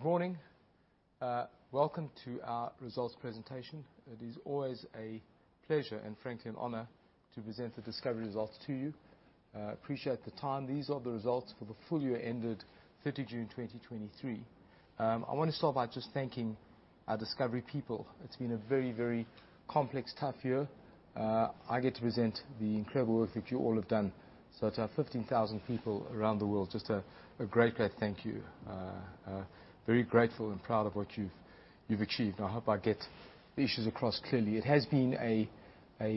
Good morning. Welcome to our results presentation. It is always a pleasure, and frankly, an honor, to present the Discovery results to you. Appreciate the time. These are the results for the full year ended 30 June 2023. I wanna start by just thanking our Discovery people. It's been a very, very complex, tough year. I get to present the incredible work that you all have done. To our 15,000 people around the world, just a great, great thank you. Very grateful and proud of what you've achieved, and I hope I get the issues across clearly. It has been a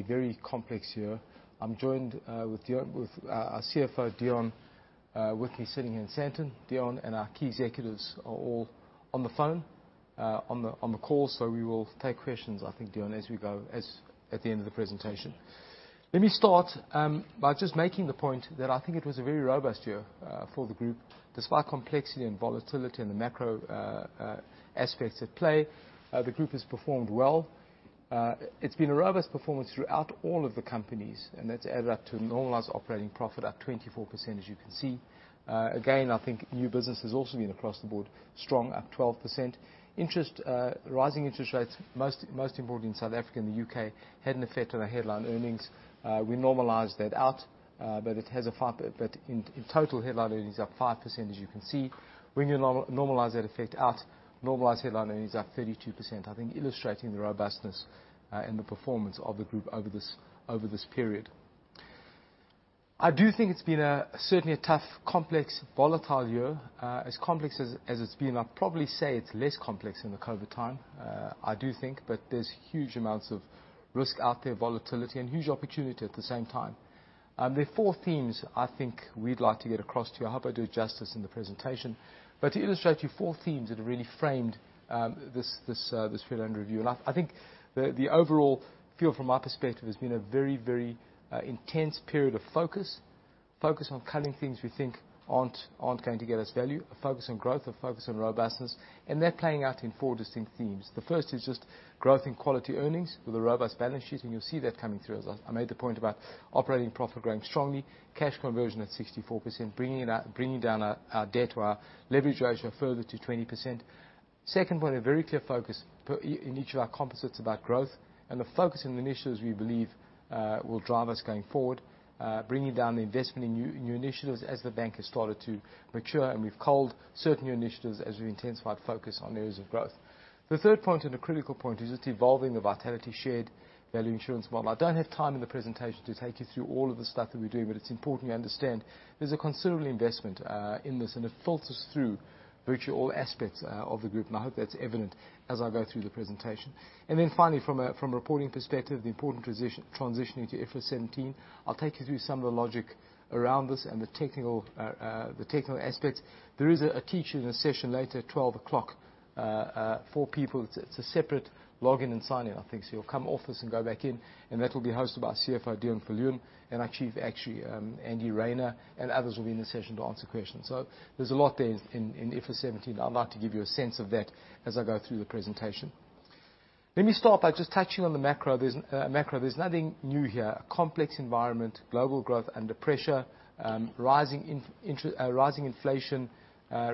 very complex year. I'm joined with Deon, with our CFO, Deon, with me sitting here in Sandton. Deon and our key executives are all on the phone, on the call, so we will take questions, I think, Deon, as we go, at the end of the presentation. Let me start by just making the point that I think it was a very robust year for the group. Despite complexity and volatility and the macro aspects at play, the group has performed well. It's been a robust performance throughout all of the companies, and that's added up to normalized operating profit, up 24%, as you can see. Again, I think new business has also been across the board, strong, up 12%. Interest, rising interest rates, most important in South Africa and the U.K., had an effect on our headline earnings. We normalized that out, but it has a, but in total, headline earnings are up 5%, as you can see. When you normalize that effect out, normalized headline earnings are up 32%, I think, illustrating the robustness and the performance of the group over this period. I do think it's been certainly a tough, complex, volatile year. As complex as it's been, I'd probably say it's less complex than the COVID time. I do think, but there's huge amounts of risk out there, volatility, and huge opportunity at the same time. There are four themes I think we'd like to get across to you. I hope I do it justice in the presentation. But to illustrate to you four themes that have really framed this year under review. I think the overall feel from my perspective has been a very, very intense period of focus. Focus on cutting things we think aren't going to get us value, a focus on growth, a focus on robustness, and they're playing out in four distinct themes. The first is just growth in quality earnings with a robust balance sheet, and you'll see that coming through. As I made the point about operating profit growing strongly, cash conversion at 64%, bringing it out, bringing down our debt to our leverage ratio further to 20%. Second point, a very clear focus per, in each of our composites about growth, and the focus in the initiatives we believe will drive us going forward. Bringing down the investment in new, new initiatives as the bank has started to mature, and we've culled certain new initiatives as we intensified focus on areas of growth. The third point, and a critical point, is just evolving the Vitality Shared Value insurance model. I don't have time in the presentation to take you through all of the stuff that we're doing, but it's important you understand there's a considerable investment in this, and it filters through virtually all aspects of the group, and I hope that's evident as I go through the presentation. Finally, from a reporting perspective, the important transition, transitioning to IFRS 17. I'll take you through some of the logic around this and the technical, the technical aspects. There is a teach-in and a session later at 12:00 P.M. for people. It's a separate login and sign-in, I think. You'll come off this and go back in, and that will be hosted by our CFO, Deon Viljoen, and our Chief Actuary, Andrew Rayner, and others will be in the session to answer questions. There's a lot there in IFRS 17. I'd like to give you a sense of that as I go through the presentation. Let me start by just touching on the macro business. Macro, there's nothing new here. A complex environment, global growth under pressure, rising inflation,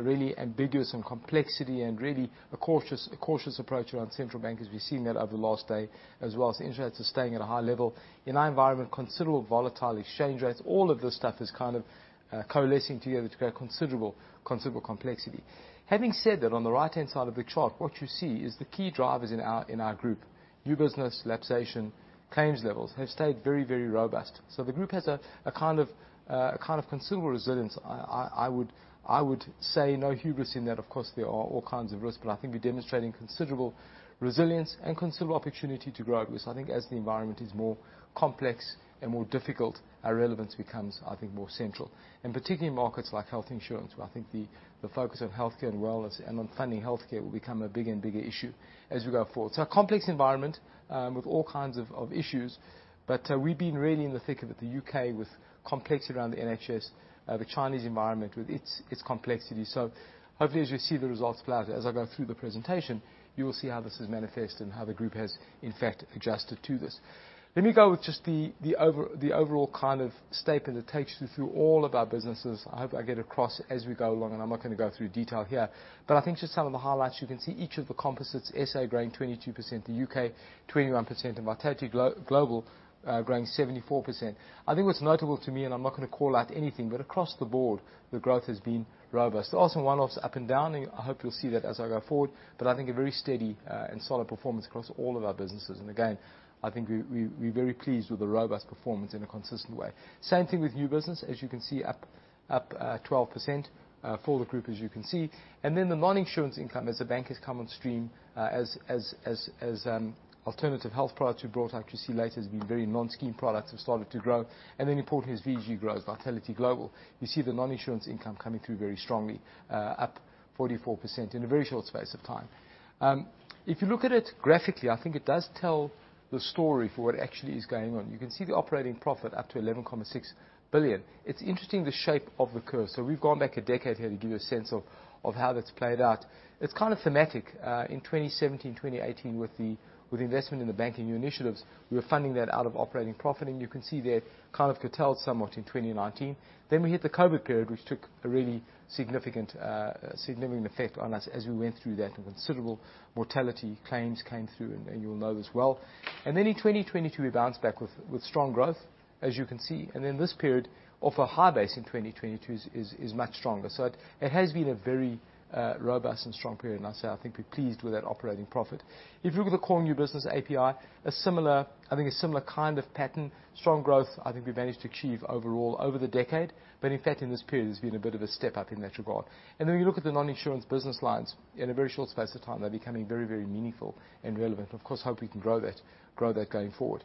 really ambiguous and complexity and really a cautious, a cautious approach around central bank, as we've seen that over the last day, as well as the interest rates are staying at a high level. In our environment, considerable volatile exchange rates. All of this stuff is kind of, kind of coalescing together to create considerable, considerable complexity. Having said that, on the right-hand side of the chart, what you see is the key drivers in our, in our group. New business, lapsation, claims levels have stayed very, very robust. The group has a, a kind of, kind of considerable resilience. I would, I would say no hubris in that. Of course, there are all kinds of risks, but I think we're demonstrating considerable resilience and considerable opportunity to grow. I think as the environment is more complex and more difficult, our relevance becomes, I think, more central. Particularly in markets like health insurance, where I think the focus on healthcare and wellness and on funding healthcare will become a bigger and bigger issue as we go forward. So a complex environment, with all kinds of, of issues, but, we've been really in the thick of it. The U.K. with complexity around the NHS, the Chinese environment with its, its complexity. So hopefully, as you'll see the results play out, as I go through the presentation, you will see how this has manifested and how the group has, in fact, adjusted to this. Let me go with just the, the over, the overall kind of statement that takes you through all of our businesses. I hope I get across as we go along, and I'm not gonna go through detail here. But I think just some of the highlights, you can see each of the composites, S.A. growing 22%, the U.K. 21%, and Vitality Global, growing 74%. I think what's notable to me, and I'm not gonna call out anything, but across the board, the growth has been robust. Also, one-offs up and down, and I hope you'll see that as I go forward, but I think a very steady and solid performance across all of our businesses. And again, I think we're very pleased with the robust performance in a consistent way. Same thing with new business. As you can see, up 12% for the group, as you can see. And then the non-insurance income as the bank has come on stream, alternative health products we brought out, you see later, has been very non-scheme products have started to grow. Importantly, as VG grows, Vitality Global, you see the non-insurance income coming through very strongly, up 44% in a very short space of time. If you look at it graphically, I think it does tell the story for what actually is going on. You can see the operating profit up to 11.6 billion. It's interesting, the shape of the curve. We've gone back a decade here to give you a sense of how that's played out. It's kind of thematic. In 2017, 2018, with the investment in the bank and new initiatives, we were funding that out of operating profit, and you can see there, kind of curtailed somewhat in 2019. We hit the COVID period, which took a really significant, significant effect on us as we went through that, and considerable mortality claims came through, and you'll know as well. In 2022, we bounced back with strong growth, as you can see. This period, off a high base in 2022, is much stronger. It has been a very robust and strong period, and I think we're pleased with that operating profit. If you look at the core new business API, a similar, I think a similar kind of pattern. Strong growth, I think we managed to achieve overall over the decade, but in fact, in this period, there's been a bit of a step up in that regard. You look at the non-insurance business lines. In a very short space of time, they're becoming very, very meaningful and relevant. Of course, hope we can grow that, grow that going forward.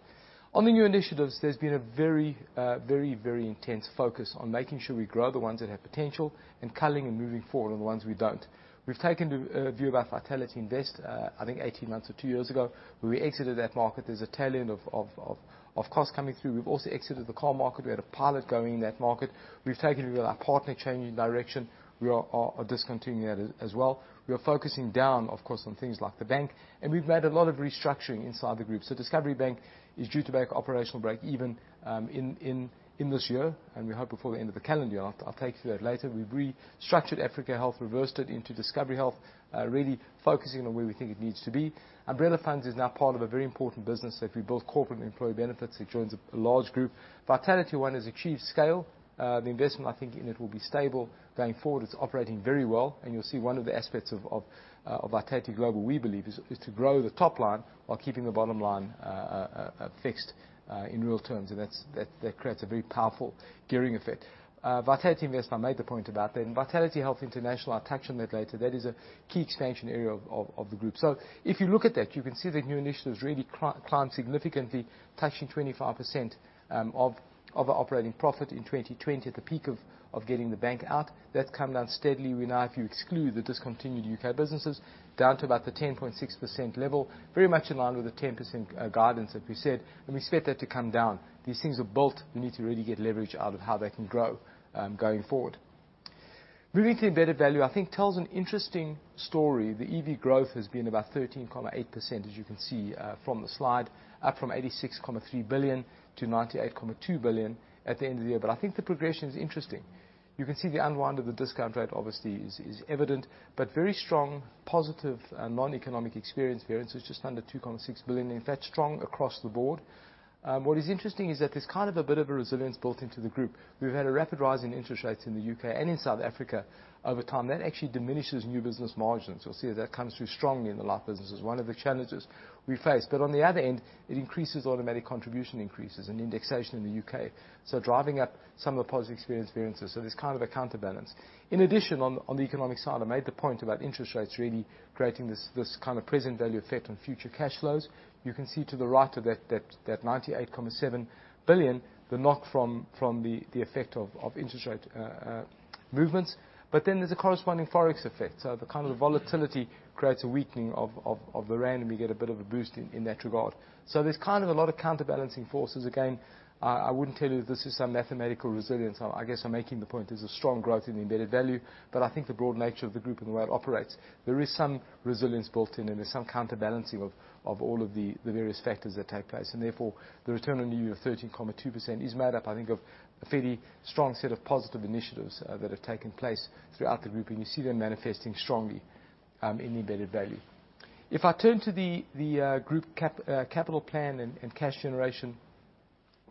On the new initiatives, there's been a very, very intense focus on making sure we grow the ones that have potential and culling and moving forward on the ones we don't. We've taken the view of our Vitality Invest, I think 18 months or two years ago, where we exited that market. There's a tail end of costs coming through. We've also exited the car market. We had a pilot going in that market. We've take our partner changing direction. We are discontinuing that as well. We are focusing down, of course, on things like the bank, and we've made a lot of restructuring inside the group. So Discovery Bank is due to make operational break even in this year, and we hope before the end of the calendar year. I'll take you through that later. We've restructured Africa Health, reversed it into Discovery Health, really focusing on where we think it needs to be. Umbrella Funds is now part of a very important business. If we build corporate and employee benefits, it joins a large group. Vitality One has achieved scale. The investment, I think, in it will be stable going forward. It's operating very well, and you'll see one of the aspects of Vitality Global, we believe is to grow the top line while keeping the bottom line fixed in real terms, and that creates a very powerful gearing effect. Vitality Invest, I made the point about that, and Vitality Health International, I'll touch on that later. That is a key expansion area of the group. So if you look at that, you can see that new initiatives really climbed significantly, touching 25% of operating profit in 2020 at the peak of getting the bank out. That's come down steadily. We now, if you exclude the discontinued U.K. businesses, down to about the 10.6% level, very much in line with the 10% guidance that we set, and we expect that to come down. These things are built. We need to really get leverage out of how they can grow going forward. Moving to the embedded value, I think tells an interesting story. The EV growth has been about 13.8%, as you can see from the slide, up from 86.3 billion to 98.2 billion at the end of the year. But I think the progression is interesting. You can see the unwind of the discount rate obviously is evident, but very strong, positive, and non-economic experience variance is just under 2.6 billion. In fact, strong across the board. What is interesting is that there's kind of a bit of a resilience built into the group. We've had a rapid rise in interest rates in the U.K. and in South Africa over time. That actually diminishes new business margins. You'll see that comes through strongly in the life businesses. One of the challenges we face. But on the other end, it increases automatic contribution increases and indexation in the U.K., so driving up some of the positive experience variances. So there's kind of a counterbalance. In addition, on the economic side, I made the point about interest rates really creating this kind of present value effect on future cash flows. You can see to the right of that, that 98.7 billion, the knock from the effect of interest rate movements, but then there's a corresponding Forex effect. So the kind of volatility creates a weakening of the rand, and we get a bit of a boost in that regard. So there's kind of a lot of counterbalancing forces. Again, I wouldn't tell you this is some mathematical resilience. I guess I'm making the point there's a strong growth in the embedded value, but I think the broad nature of the group and the way it operates, there is some resilience built in, and there's some counterbalancing of all of the various factors that take place. Therefore, the return on the unit of 13.2% is made up, I think, of a fairly strong set of positive initiatives that have taken place throughout the group, and you see them manifesting strongly in the embedded value. If I turn to the group capital plan and cash generation,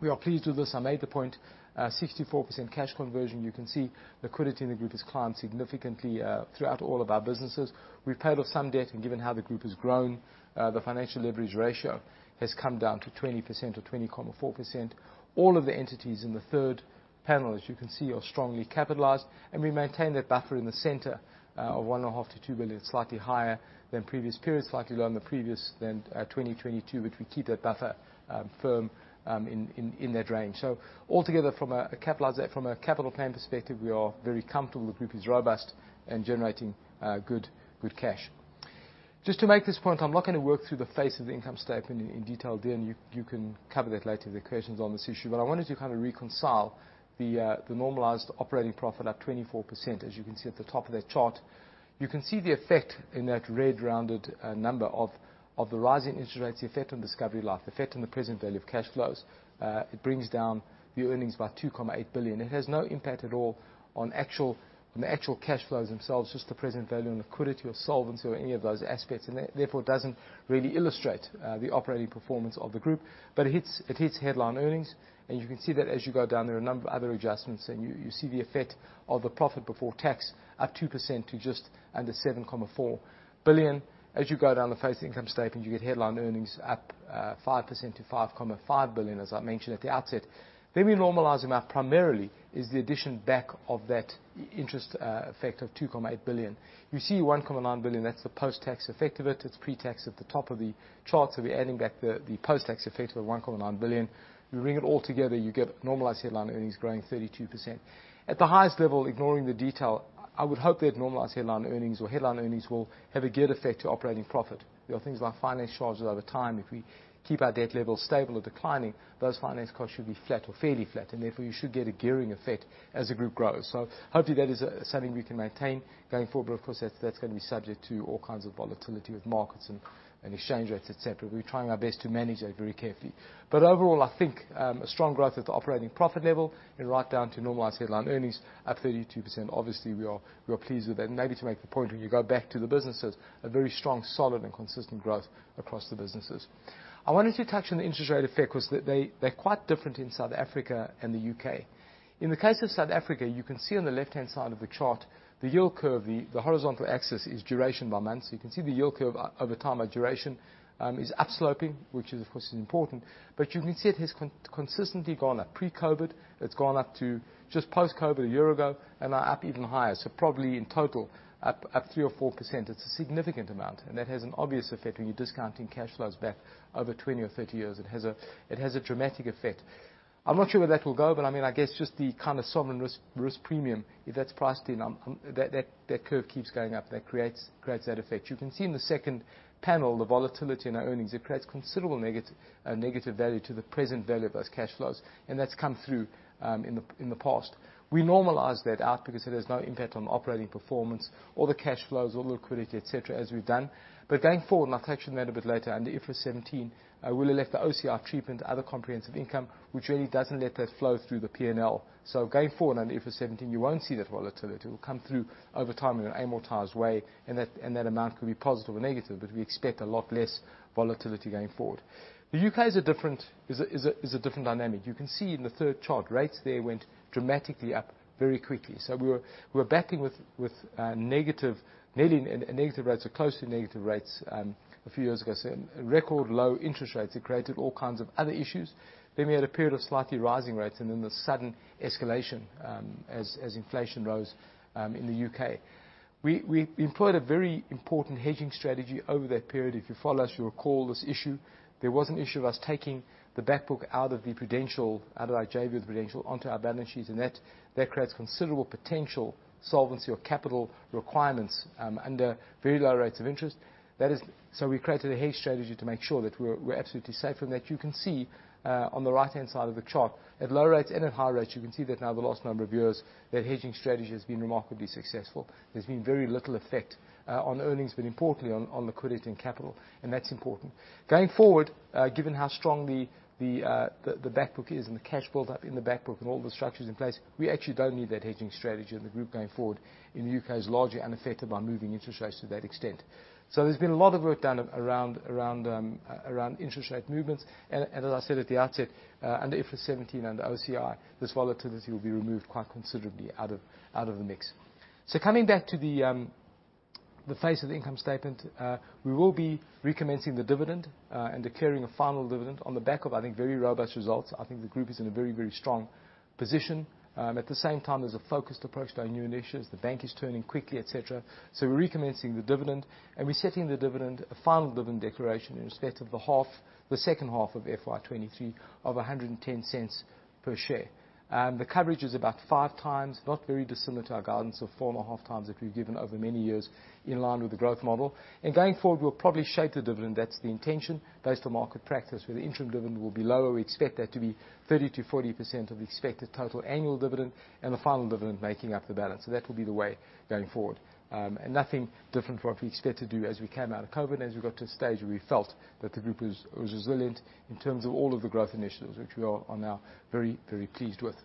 we are pleased with this. I made the point 64% cash conversion. You can see liquidity in the group has climbed significantly throughout all of our businesses. We've paid off some debt, and given how the group has grown, the financial leverage ratio has come down to 20% or 20.4%. All of the entities in the third panel, as you can see, are strongly capitalized, and we maintain that buffer in the center, of 1.5 billion to 2 billion, slightly higher than previous periods, slightly lower than the previous, than 2022, but we keep that buffer, firm, in, in that range. So altogether from a capitalized, from a capital plan perspective, we are very comfortable. The group is robust and generating, good, good cash. Just to make this point, I'm not gonna work through the face of the income statement in detail there, and you, you can cover that later with the questions on this issue. I wanted to kind of reconcile the normalized operating profit, up 24%, as you can see at the top of that chart. You can see the effect in that red, rounded number of the rising interest rates, the effect on Discovery Life, the effect on the present value of cash flows. It brings down the earnings by 2.8 billion. It has no impact at all on the actual cash flows themselves, just the present value on liquidity or solvency or any of those aspects, and therefore, doesn't really illustrate the operating performance of the group. It hits headline earnings, and you can see that as you go down, there are a number of other adjustments, and you see the effect of the profit before tax, up 2% to just under 7.4 billion. As you go down the face income statement, you get headline earnings up 5% to 5.5 billion, as I mentioned at the outset. We normalize them out, primarily, is the addition back of that interest effect of 2.8 billion. You see 1.9 billion. That's the post-tax effect of it. It's pre-tax at the top of the chart, so we're adding back the post-tax effect of the 1.9 billion. You bring it all together, you get normalized headline earnings growing 32%. At the highest level, ignoring the detail, I would hope that normalized headline earnings or headline earnings will have a good effect to operating profit. There are things like finance charges over time. If we keep our debt levels stable or declining, those finance costs should be flat or fairly flat, and therefore, you should get a gearing effect as the group grows. So hopefully, that is something we can maintain going forward, but of course, that's going to be subject to all kinds of volatility with markets and exchange rates, et cetera. We're trying our best to manage that very carefully. But overall, I think a strong growth at the operating profit level and right down to normalized headline earnings at 32%. Obviously, we are pleased with that. Maybe to make the point, when you go back to the businesses, a very strong, solid, and consistent growth across the businesses. I wanted to touch on the interest rate effect because they're quite different in South Africa and the U.K.. In the case of South Africa, you can see on the left-hand side of the chart, the yield curve, the horizontal axis is duration by month. So you can see the yield curve over time by duration is upsloping, which is, of course, important. But you can see it has consistently gone up. Pre-COVID, it's gone up to just post-COVID a year ago, and now up even higher. So probably in total up 3% to 4%. It's a significant amount, and that has an obvious effect when you're discounting cash flows back over 20 or 30 years. It has a dramatic effect. I'm not sure where that will go, but I mean, I guess just the kind of sovereign risk, risk premium, if that's priced in, that curve keeps going up, that creates that effect. You can see in the second panel, the volatility in our earnings, it creates considerable negative value to the present value of those cash flows, and that's come through in the past. We normalize that out because it has no impact on operating performance or the cash flows or the liquidity, et cetera, as we've done. But going forward, and I'll touch on that a bit later, under IFRS 17, we'll have left the OCI treatment, other comprehensive income, which really doesn't let that flow through the P&L. So going forward under IFRS 17, you won't see that volatility. It will come through over time in an amortized way, and that amount could be positive or negative, but we expect a lot less volatility going forward. The U.K. is a different dynamic. You can see in the third chart, rates there went dramatically up very quickly. So we were backing with negative rates or close to negative rates a few years ago. So record low interest rates, it created all kinds of other issues. Then we had a period of slightly rising rates and then the sudden escalation as inflation rose in the U.K. We employed a very important hedging strategy over that period. If you follow us, you'll recall this issue. There was an issue of us taking the back book out of the Prudential, out of our JV with Prudential, onto our balance sheets, and that, that creates considerable potential solvency or capital requirements under very low rates of interest. That is, so we created a hedge strategy to make sure that we're, we're absolutely safe, and that you can see on the right-hand side of the chart. At low rates and at high rates, you can see that now the last number of years, that hedging strategy has been remarkably successful. There's been very little effect on earnings, but importantly on, on liquidity and capital, and that's important. Going forward, given how strong the back book is and the cash build up in the back book and all the structures in place, we actually don't need that hedging strategy in the group going forward, and the U.K. is largely unaffected by moving interest rates to that extent. So there's been a lot of work done around interest rate movements. And as I said at the outset, under IFRS 17 and the OCI, this volatility will be removed quite considerably out of the mix. So coming back to the face of the income statement, we will be recommencing the dividend, and declaring a final dividend on the back of, I think, very robust results. I think the group is in a very, very strong position. At the same time, there's a focused approach to our new initiatives. The bank is turning quickly, et cetera. So we're recommencing the dividend, and we're setting the dividend, a final dividend declaration, in respect of the half, the second half of FY 2023, of 110 ZAR cents per share. The coverage is about 5x, not very dissimilar to our guidance of 4.5x that we've given over many years, in line with the growth model. And going forward, we'll probably shape the dividend. That's the intention, based on market practice, where the interim dividend will be lower. We expect that to be 30% to 40% of the expected total annual dividend, and the final dividend making up the balance. So that will be the way going forward. And nothing different from what we expect to do as we came out of COVID, as we got to a stage where we felt that the group was resilient in terms of all of the growth initiatives, which we are now very, very pleased with.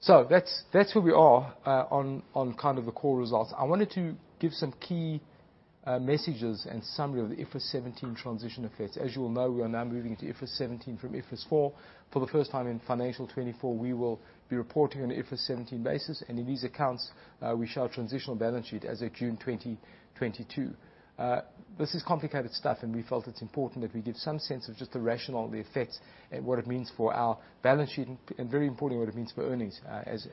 So that's where we are on kind of the core results. I wanted to give some key messages and summary of the IFRS 17 transition effects. As you all know, we are now moving into IFRS 17 from IFRS 4. For the first time in financial 2024, we will be reporting on the IFRS 17 basis, and in these accounts, we show a transitional balance sheet as of June 2022. This is complicated stuff, and we felt it's important that we give some sense of just the rationale, the effects, and what it means for our balance sheet, and very importantly, what it means for earnings, as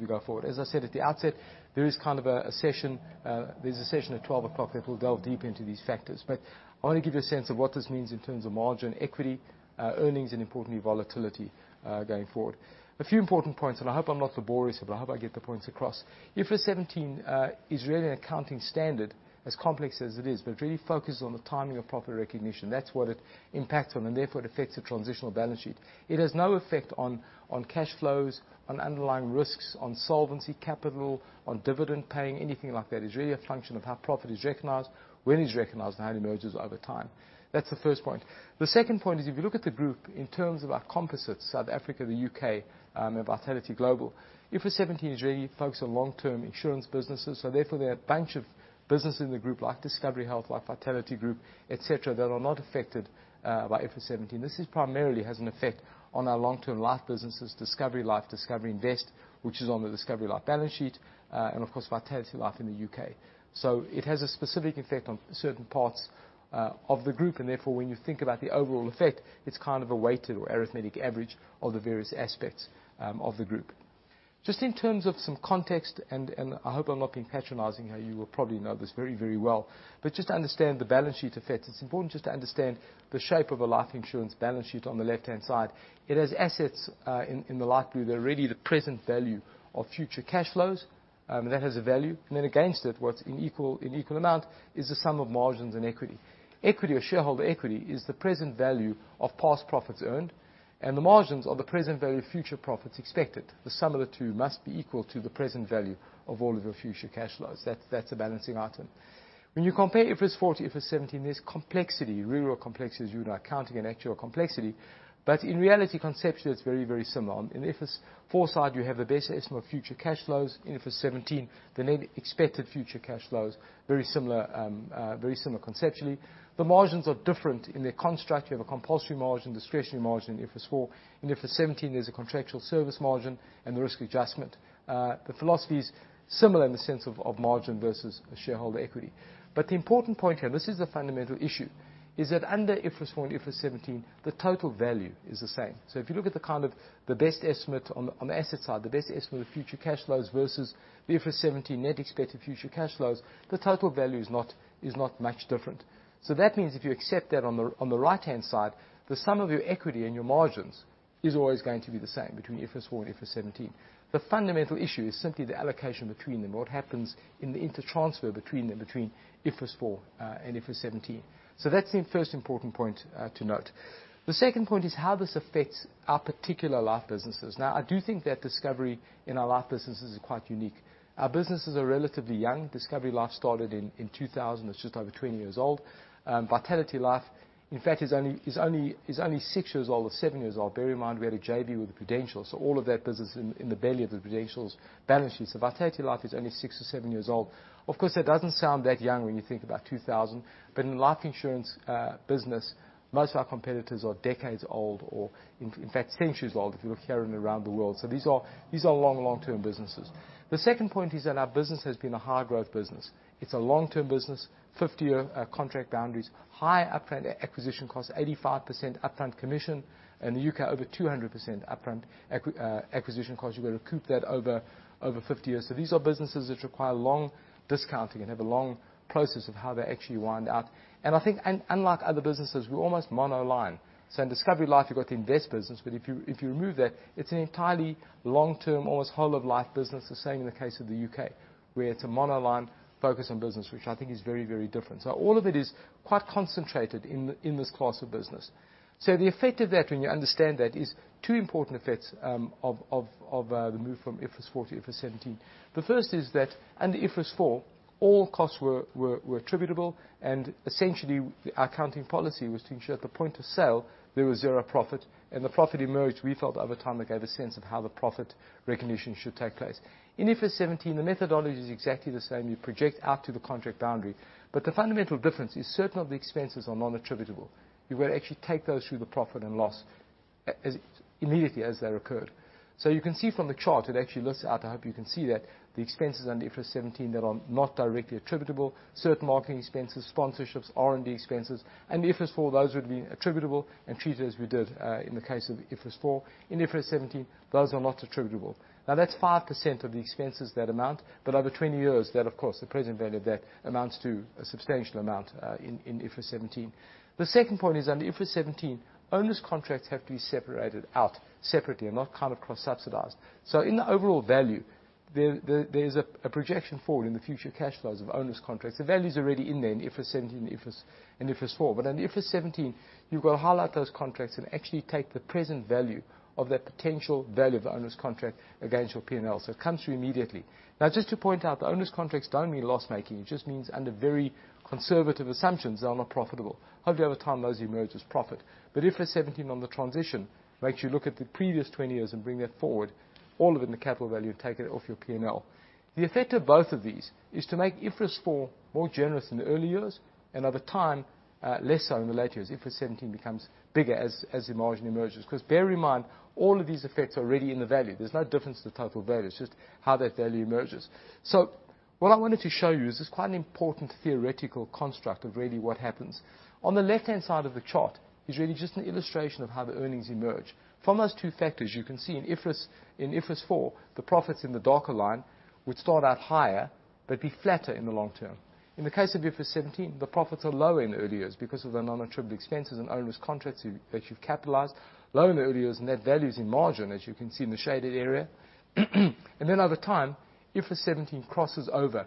we go forward. As I said at the outset, there is a session at 12 o'clock that will delve deeper into these factors. But I want to give you a sense of what this means in terms of margin, equity, earnings, and importantly, volatility, going forward. A few important points, and I hope I'm not too boring, but I hope I get the points across. IFRS 17 is really an accounting standard, as complex as it is, but really focused on the timing of proper recognition. That's what it impacts on, and therefore it affects the transitional balance sheet. It has no effect on, on cash flows, on underlying risks, on solvency, capital, on dividend paying, anything like that. It is really a function of how profit is recognized, when it is recognized, and how it emerges over time. That's the first point. The second point is, if you look at the group in terms of our composites, South Africa, the U.K., and Vitality Global, IFRS 17 is really focused on long-term insurance businesses, so therefore, there are a bunch of businesses in the group, like Discovery Health, like Vitality Group, et cetera, that are not affected, by IFRS 17. This is primarily has an effect on our long-term life businesses, Discovery Life, Discovery Invest, which is on the Discovery Life balance sheet, and of course, Vitality Life in the U.K. So it has a specific effect on certain parts of the group, and therefore, when you think about the overall effect, it's kind of a weighted or arithmetic average of the various aspects of the group. Just in terms of some context, and I hope I'm not being patronizing, how you will probably know this very, very well, but just to understand the balance sheet effects, it's important just to understand the shape of a life insurance balance sheet on the left-hand side. It has assets in the light blue. They're really the present value of future cash flows. That has a value. And then against it, what's in equal amount, is the sum of margins and equity. Equity or shareholder equity is the present value of past profits earned, and the margins are the present value of future profits expected. The sum of the two must be equal to the present value of all of your future cash flows. That, that's a balancing item. When you compare IFRS 4 to IFRS 17, there's complexity, real complexities around accounting and actual complexity. But in reality, conceptually, it's very, very similar. On the IFRS 4 side, you have the best estimate of future cash flows. In IFRS 17, the net expected future cash flows, very similar, very similar conceptually. The margins are different in their construct. You have a compulsory margin, discretionary margin in IFRS 4. In IFRS 17, there's a contractual service margin and the risk adjustment. The philosophy is similar in the sense of, of margin versus shareholder equity. But the important point here, this is the fundamental issue, is that under IFRS 4 and IFRS 17, the total value is the same. So if you look at the kind of the best estimate on the, on the asset side, the best estimate of future cash flows versus the IFRS 17 net expected future cash flows, the total value is not, is not much different. So that means if you accept that on the, on the right-hand side, the sum of your equity and your margins is always going to be the same between IFRS 4 and IFRS 17. The fundamental issue is simply the allocation between them. What happens in the inter transfer between them, between IFRS 4 and IFRS 17? So that's the first important point to note. The second point is how this affects our particular life businesses. Now, I do think that Discovery in our life businesses is quite unique. Our businesses are relatively young. Discovery Life started in 2000. It's just over 20 years old. Vitality Life, in fact, is only six years old or seven years old. Bear in mind, we had a JV with Prudential, so all of that business is in the belly of Prudential's balance sheet. So Vitality Life is only six or seven years old. Of course, that doesn't sound that young when you think about 2000, but in life insurance business, most of our competitors are decades old, or in fact, centuries old, if you look here and around the world. So these are, these are long, long-term businesses. The second point is that our business has been a high growth business. It's a long-term business, 50-year contract boundaries, high upfront acquisition costs, 85% upfront commission. In the U.K., over 200% upfront acquisition costs. You've got to recoup that over, over 50 years. So these are businesses which require long discounting and have a long process of how they actually wind up. And I think unlike other businesses, we're almost monoline. So in Discovery Life, you've got the invest business, but if you, if you remove that, it's an entirely long-term, almost whole of life business. The same in the case of the U.K., where it's a monoline focus on business, which I think is very, very different. So all of it is quite concentrated in, in this class of business. So the effect of that, when you understand that, is two important effects of the move from IFRS 4 to IFRS 17. The first is that under IFRS 4, all costs were attributable, and essentially, our accounting policy was to ensure at the point of sale there was zero profit. And the profit emerged, we felt, over time, that gave a sense of how the profit recognition should take place. In IFRS 17, the methodology is exactly the same. You project out to the contract boundary. But the fundamental difference is certain of the expenses are non-attributable. You will actually take those through the profit and loss as immediately as they occurred. So you can see from the chart, it actually lists out, I hope you can see that, the expenses under IFRS 17 that are not directly attributable, certain marketing expenses, sponsorships, R&D expenses. And the IFRS 4, those would be attributable and treated as we did in the case of IFRS 4. In IFRS 17, those are not attributable. Now, that's 5% of the expenses, that amount, but over 20 years, that, of course, the present value of that amounts to a substantial amount in IFRS 17. The second point is, under IFRS 17, onerous contracts have to be separated out separately and not kind of cross-subsidized. So in the overall value, there's a projection forward in the future cash flows of onerous contracts. The value is already in there in IFRS 17 and IFRS 4. But in IFRS 17, you've got to highlight those contracts and actually take the present value of that potential value of the owners' contract against your P&L. So it comes through immediately. Now, just to point out, the onerous contracts don't mean loss-making. It just means under very conservative assumptions, they are not profitable. Hopefully, over time, those emerge as profit. But IFRS 17, on the transition, makes you look at the previous 20 years and bring that forward, all of it in the capital value, and take it off your P&L. The effect of both of these is to make IFRS 4 more generous in the early years, and over time, less so in the later years. IFRS 17 becomes bigger as the margin emerges. 'Cause bear in mind, all of these effects are already in the value. There's no difference to the total value. It's just how that value emerges. So what I wanted to show you is this quite an important theoretical construct of really what happens. On the left-hand side of the chart is really just an illustration of how the earnings emerge. From those two factors, you can see in IFRS, in IFRS 4, the profits in the darker line would start out higher, but be flatter in the long term. In the case of IFRS 17, the profits are lower in the early years because of the non-attributable expenses and onerous contracts that you've capitalized. Lower in the early years, and that value is in margin, as you can see in the shaded area. And then over time, IFRS 17 crosses over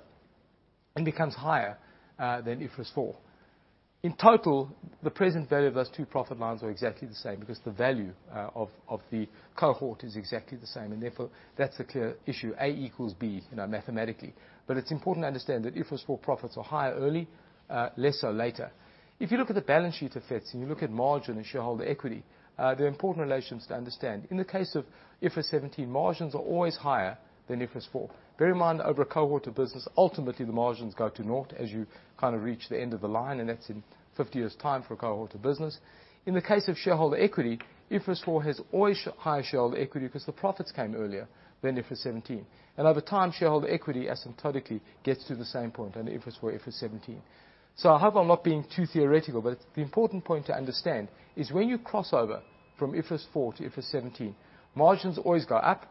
and becomes higher than IFRS 4. In total, the present value of those two profit lines are exactly the same because the value of the cohort is exactly the same, and therefore, that's a clear issue. A equals B, you know, mathematically. But it's important to understand that IFRS 4 profits are higher early, less so later. If you look at the balance sheet effects, and you look at margin and shareholder equity, there are important relations to understand. In the case of IFRS 17, margins are always higher than IFRS 4. Bear in mind, over a cohort of business, ultimately, the margins go to naught as you kind of reach the end of the line, and that's in 50 years' time for a cohort of business. In the case of shareholder equity, IFRS 4 has always higher shareholder equity because the profits came earlier than IFRS 17. And over time, shareholder equity asymptotically gets to the same point under IFRS 4, IFRS 17. So I hope I'm not being too theoretical, but the important point to understand is when you cross over from IFRS 4 to IFRS 17, margins always go up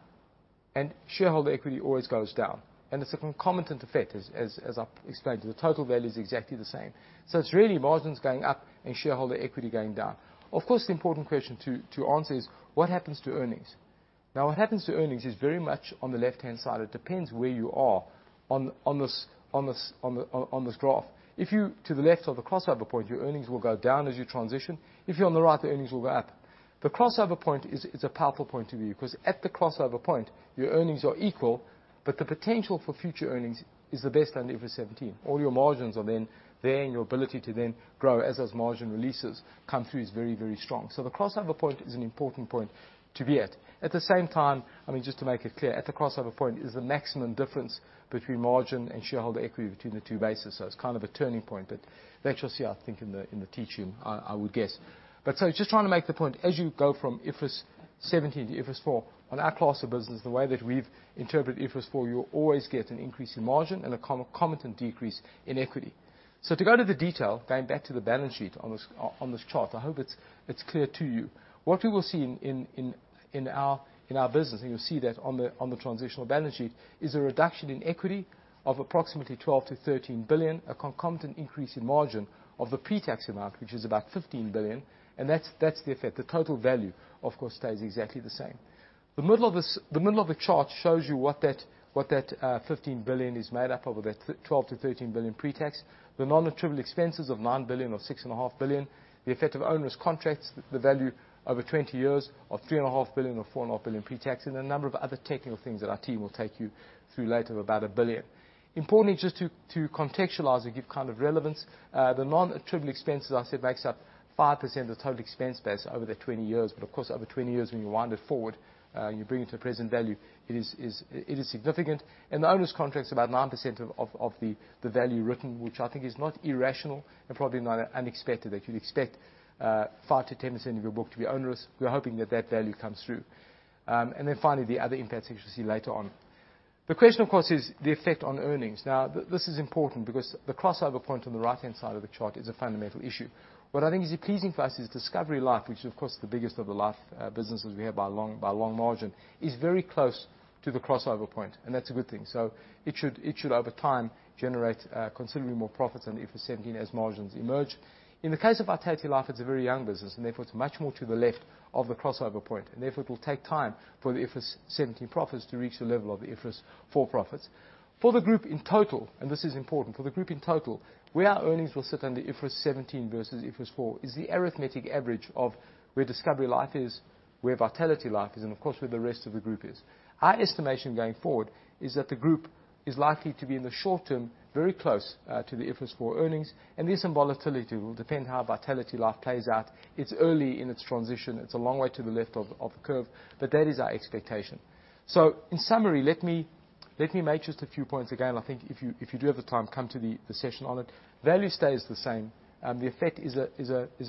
and shareholder equity always goes down. It's a concomitant effect, as I've explained. The total value is exactly the same. So it's really margins going up and shareholder equity going down. Of course, the important question to answer is: What happens to earnings? Now, what happens to earnings is very much on the left-hand side. It depends where you are on this graph. If you to the left of the crossover point, your earnings will go down as you transition. If you're on the right, the earnings will go up. The crossover point is a powerful point of view, because at the crossover point, your earnings are equal, but the potential for future earnings is the best under IFRS 17. All your margins are then there, and your ability to then grow as those margin releases come through is very, very strong. The crossover point is an important point to be at. At the same time, I mean, just to make it clear, at the crossover point is the maximum difference between margin and shareholder equity between the two bases, so it's kind of a turning point. That you'll see, I think, in the, in the T2, I would guess. Just trying to make the point, as you go from IFRS 17 to IFRS 4, on our class of business, the way that we've interpreted IFRS 4, you will always get an increase in margin and a concomitant decrease in equity. To go to the detail, going back to the balance sheet on this, on this chart, I hope it's clear to you. What we will see in our business, and you'll see that on the transitional balance sheet, is a reduction in equity of approximately 12 billion to 13 billion, a concomitant increase in margin of the pre-tax amount, which is about 15 billion, and that's the effect. The total value, of course, stays exactly the same. The middle of this, the middle of the chart shows you what that 15 billion is made up of, or that 12 billion to 13 billion pre-tax. The non-attributable expenses of 9 billion or 6.5 billion, the effect of onerous contracts, the value over 20 years of 3.5 billion or 4.5 billion pre-tax, and a number of other technical things that our team will take you through later of about 1 billion. Importantly, just to contextualize and give kind of relevance, the non-attributable expenses, I said, makes up 5% of the total expense base over the 20 years. But of course, over 20 years, when you wind it forward, and you bring it to present value, it is significant. And the onerous contract is about 9% of the value written, which I think is not irrational and probably not unexpected, that you'd expect, five to 10% of your book to be onerous. We're hoping that that value comes through. And then finally, the other impacts, which you'll see later on. The question, of course, is the effect on earnings. Now, this is important because the crossover point on the right-hand side of the chart is a fundamental issue. What I think is pleasing for us is Discovery Life, which is, of course, the biggest of the life businesses we have by a long, by a long margin, is very close to the crossover point, and that's a good thing. So it should, it should, over time, generate considerably more profits than IFRS 17 as margins emerge. In the case of Vitality Life, it's a very young business, and therefore, it's much more to the left of the crossover point. And therefore, it will take time for the IFRS 17 profits to reach the level of the IFRS 4 profits. For the group in total, and this is important, for the group in total, where our earnings will sit under IFRS 17 versus IFRS 4 is the arithmetic average of where Discovery Life is, where Vitality Life is, and of course, where the rest of the group is. Our estimation going forward is that the group is likely to be, in the short term, very close to the IFRS 4 earnings, and there is some volatility. It will depend how Vitality Life plays out. It's early in its transition. It's a long way to the left of the curve, but that is our expectation. So in summary, let me make just a few points again. I think if you do have the time, come to the session on it. Value stays the same, and the effect is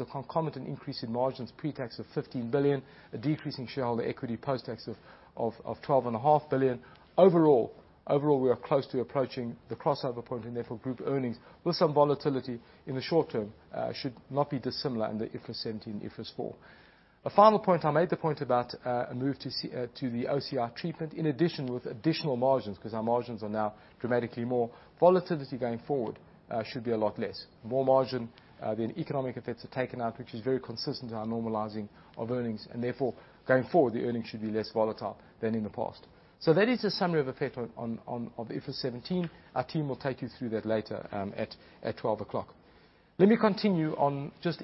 a concomitant increase in margins pre-tax of 15 billion, a decrease in shareholder equity post-tax of 12.5 billion. Overall, we are close to approaching the crossover point, and therefore, group earnings, with some volatility in the short term, should not be dissimilar in the IFRS 17 and IFRS 4. A final point, I made the point about a move to the OCI treatment. In addition, with additional margins, because our margins are now dramatically more, volatility going forward should be a lot less. More margin than economic effects are taken out, which is very consistent to our normalizing of earnings, and therefore, going forward, the earnings should be less volatile than in the past. That is a summary of effect on of IFRS 17. Our team will take you through that later at 12:00. Let me continue on just,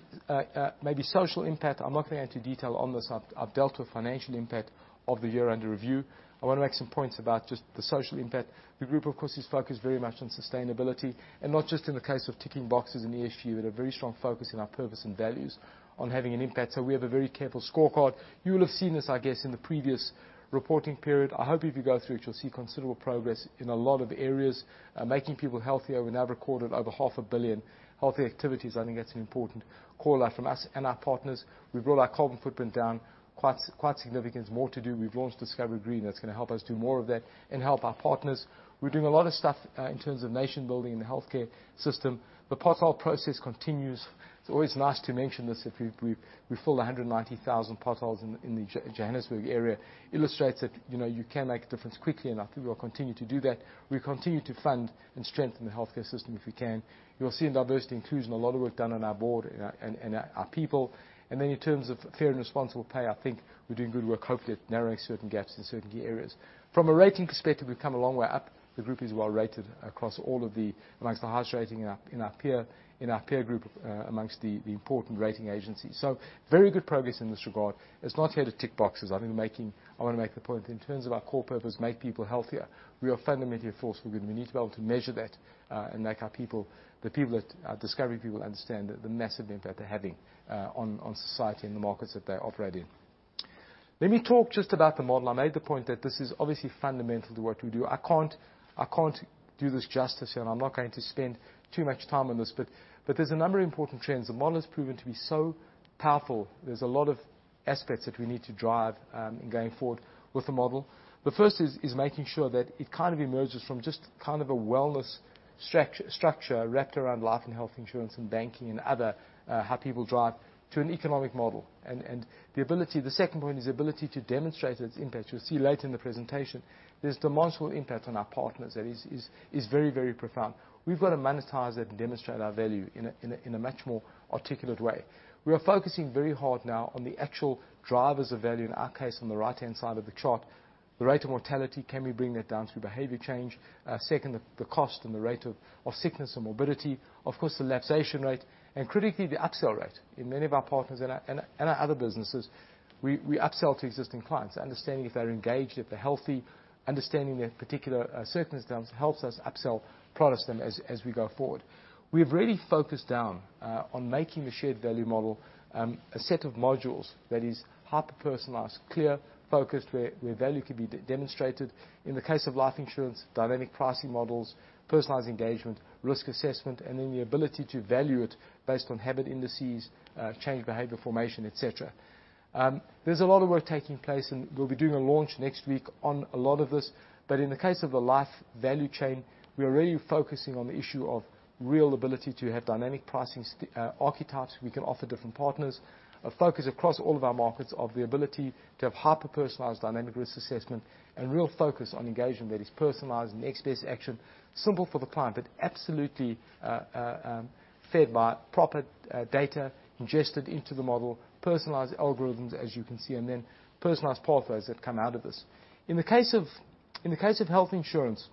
maybe social impact. I'm not going to go into detail on this. I've dealt with financial impact of the year under review. I want to make some points about just the social impact. The group, of course, is focused very much on sustainability, and not just in the case of ticking boxes in ESG, but a very strong focus in our purpose and values on having an impact, so we have a very careful scorecard. You will have seen this, I guess, in the previous reporting period. I hope if you go through it, you'll see considerable progress in a lot of areas. Making people healthier, we now recorded over 500,000,000 healthy activities. I think that's an important call out from us and our partners. We've brought our carbon footprint down quite, quite significantly. There's more to do. We've launched Discovery Green. That's going to help us do more of that and help our partners. We're doing a lot of stuff in terms of nation building and the healthcare system. The pothole process continues. It's always nice to mention this. We've filled 190,000 potholes in the Johannesburg area. Illustrates that, you know, you can make a difference quickly, and I think we will continue to do that. We continue to fund and strengthen the healthcare system if we can. You'll see in diversity inclusion, a lot of work done on our board and our people. And then in terms of fair and responsible pay, I think we're doing good work, hopefully at narrowing certain gaps in certain key areas. From a rating perspective, we've come a long way up. The group is well-rated across all of the, among the highest rating in our, in our peer, in our peer group, among the, the important rating agencies. So very good progress in this regard. It's not here to tick boxes. I think making, I want to make the point, in terms of our core purpose, make people healthier, we are fundamentally a force for good, and we need to be able to measure that, and make our people, the people at Discovery people understand the, the massive impact they're having, on, on society and the markets that they operate in. Let me talk just about the model. I made the point that this is obviously fundamental to what we do. I can't do this justice here, and I'm not going to spend too much time on this, but there's a number of important trends. The model has proven to be so powerful. There's a lot of aspects that we need to drive in going forward with the model. The first is making sure that it kind of emerges from just kind of a wellness structure wrapped around life and health insurance and banking and other how people drive to an economic model. And the ability. The second point is the ability to demonstrate its impact. You'll see later in the presentation, there's demonstrable impact on our partners, that is very, very profound. We've got to monetize it and demonstrate our value in a much more articulate way. We are focusing very hard now on the actual drivers of value. In our case, on the right-hand side of the chart, the rate of mortality, can we bring that down through behavior change? Second, the cost and the rate of sickness and morbidity, of course, the lapse rate and critically, the upsell rate. In many of our partners and our other businesses, we, we upsell to existing clients, understanding if they're engaged, if they're healthy, understanding their particular circumstance, helps us upsell products to them as we go forward. We've really focused down on making the shared value model a set of modules that is hyper-personalized, clear, focused, where value can be demonstrated. In the case of life insurance, dynamic pricing models, personalized engagement, risk assessment, and then the ability to value it based on habit indices, change, behavior formation, et cetera. There's a lot of work taking place, and we'll be doing a launch next week on a lot of this. But in the case of the life value chain, we are really focusing on the issue of real ability to have dynamic pricing archetypes. We can offer different partners. A focus across all of our markets of the ability to have hyper-personalized dynamic risk assessment and real focus on engagement that is personalized and next best action. Simple for the client, but absolutely fed by proper data ingested into the model, personalized algorithms, as you can see, and then personalized pathways that come out of this. In the case of health insurance,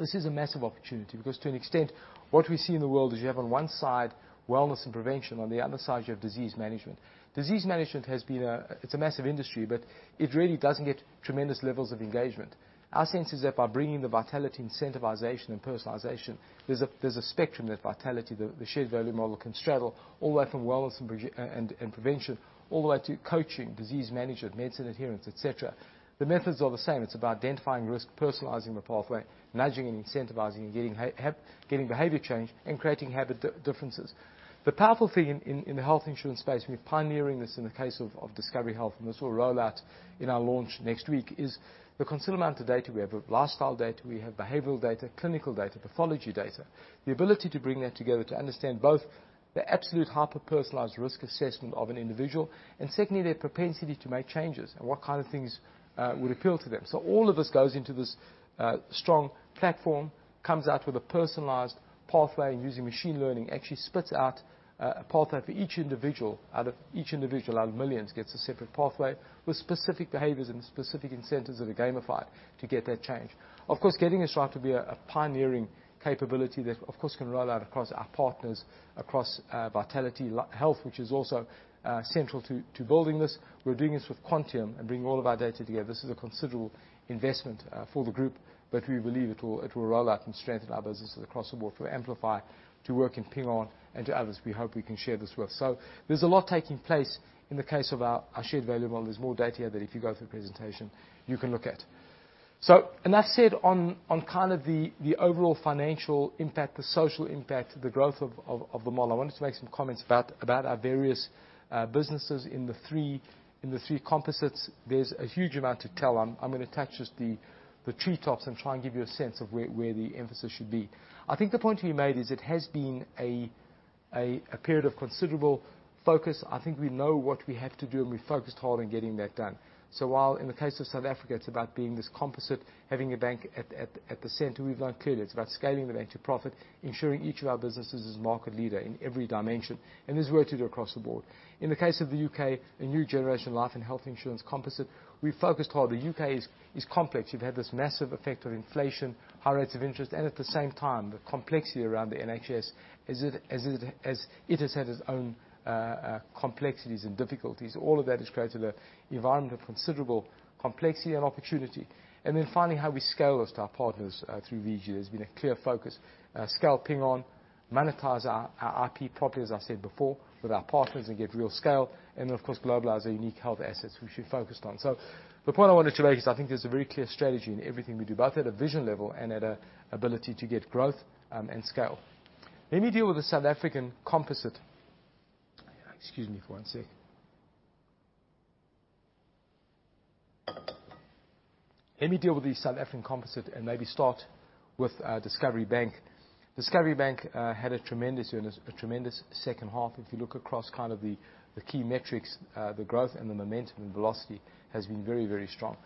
this is a massive opportunity because to an extent, what we see in the world is you have, on one side, wellness and prevention, on the other side, you have disease management. Disease management has been a massive industry, but it really doesn't get tremendous levels of engagement. Our sense is that by bringing the Vitality, Incentivization, and Personalization, there's a spectrum that Vitality, the shared value model can straddle. All the way from wellness and prevention, all the way to coaching, disease management, medicine adherence, et cetera. The methods are the same. It's about identifying risk, personalizing the pathway, nudging and incentivizing, and getting behavior change, and creating habit differences. The powerful thing in the health insurance space, we're pioneering this in the case of Discovery Health, and this will roll out in our launch next week, is the considerable amount of data. We have lifestyle data, we have behavioral data, clinical data, pathology data. The ability to bring that together to understand both the absolute hyper-personalized risk assessment of an individual, and secondly, their propensity to make changes and what kind of things would appeal to them. So all of this goes into this strong platform, comes out with a personalized pathway, and using machine learning, actually spits out a pathway for each individual. Out of each individual, out of millions, gets a separate pathway with specific behaviors and specific incentives that are gamified to get that change. Of course, getting this right to be a pioneering capability that, of course, can roll out across our partners, across Vitality Health, which is also central to building this. We're doing this with Quantium and bringing all of our data together. This is a considerable investment for the group, but we believe it will roll out and strengthen our businesses across the board for Amplify to work in Ping An and to others we hope we can share this with. So there's a lot taking place in the case of our shared value model. There's more data here that if you go through the presentation, you can look at. So enough said on kind of the overall financial impact, the social impact, the growth of the model. I wanted to make some comments about our various businesses in the three composites. There's a huge amount to tell. I'm gonna touch just the treetops and try and give you a sense of where the emphasis should be. I think the point to be made is, it has been a period of considerable focus. I think we know what we have to do, and we focused hard on getting that done. So while in the case of South Africa, it's about being this composite, having a bank at the center, we've learned clearly it's about scaling the bank to profit, ensuring each of our businesses is market leader in every dimension, and there's work to do across the board. In the case of the U.K., a new generation life and health insurance composite, we focused hard. The U.K. is, is complex. You've had this massive effect of inflation, high rates of interest, and at the same time, the complexity around the NHS, as it, as it has had its own complexities and difficulties. All of that has created an environment of considerable complexity and opportunity. Finally, how we scale this to our partners, through VG. There's been a clear focus, scale Ping An, monetize our IP properly, as I said before, with our partners and get real scale, and of course, globalize our unique health assets, which we focused on. The point I wanted to make is, I think there's a very clear strategy in everything we do, both at a vision level and at an ability to get growth and scale. Let me deal with the South African composite. Excuse me for one sec. Let me deal with the South African composite and maybe start with Discovery Bank. Discovery Bank had a tremendous year and a tremendous second half. If you look across kind of the key metrics, the growth and the momentum and velocity has been very, very strong.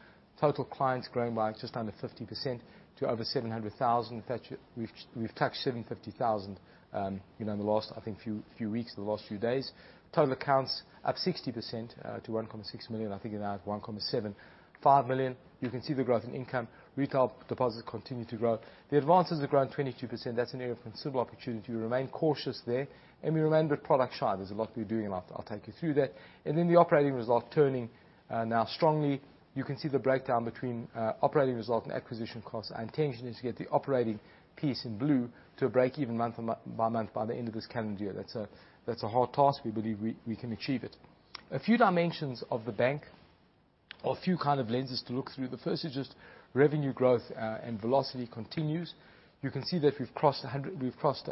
Total clients growing by just under 50% to over 700,000. In fact, we've touched 750,000, you know, in the last, I think, few weeks, the last few days. Total accounts up 60% to 1.6 million. I think we're now at 1.75 million, you can see the growth in income. Retail deposits continue to grow. The advances have grown 22%. That's an area of considerable opportunity. We remain cautious there, and we remain a bit product shy. There's a lot we're doing, and I'll take you through that. The operating result turning now strongly. You can see the breakdown between operating result and acquisition costs. Our intention is to get the operating piece in blue to a break-even month by month, by the end of this calendar year. That's a hard task. We believe we can achieve it. A few dimensions of the bank, or a few kind of lenses to look through. The first is just revenue growth, and velocity continues. You can see that we've crossed 100, we've crossed,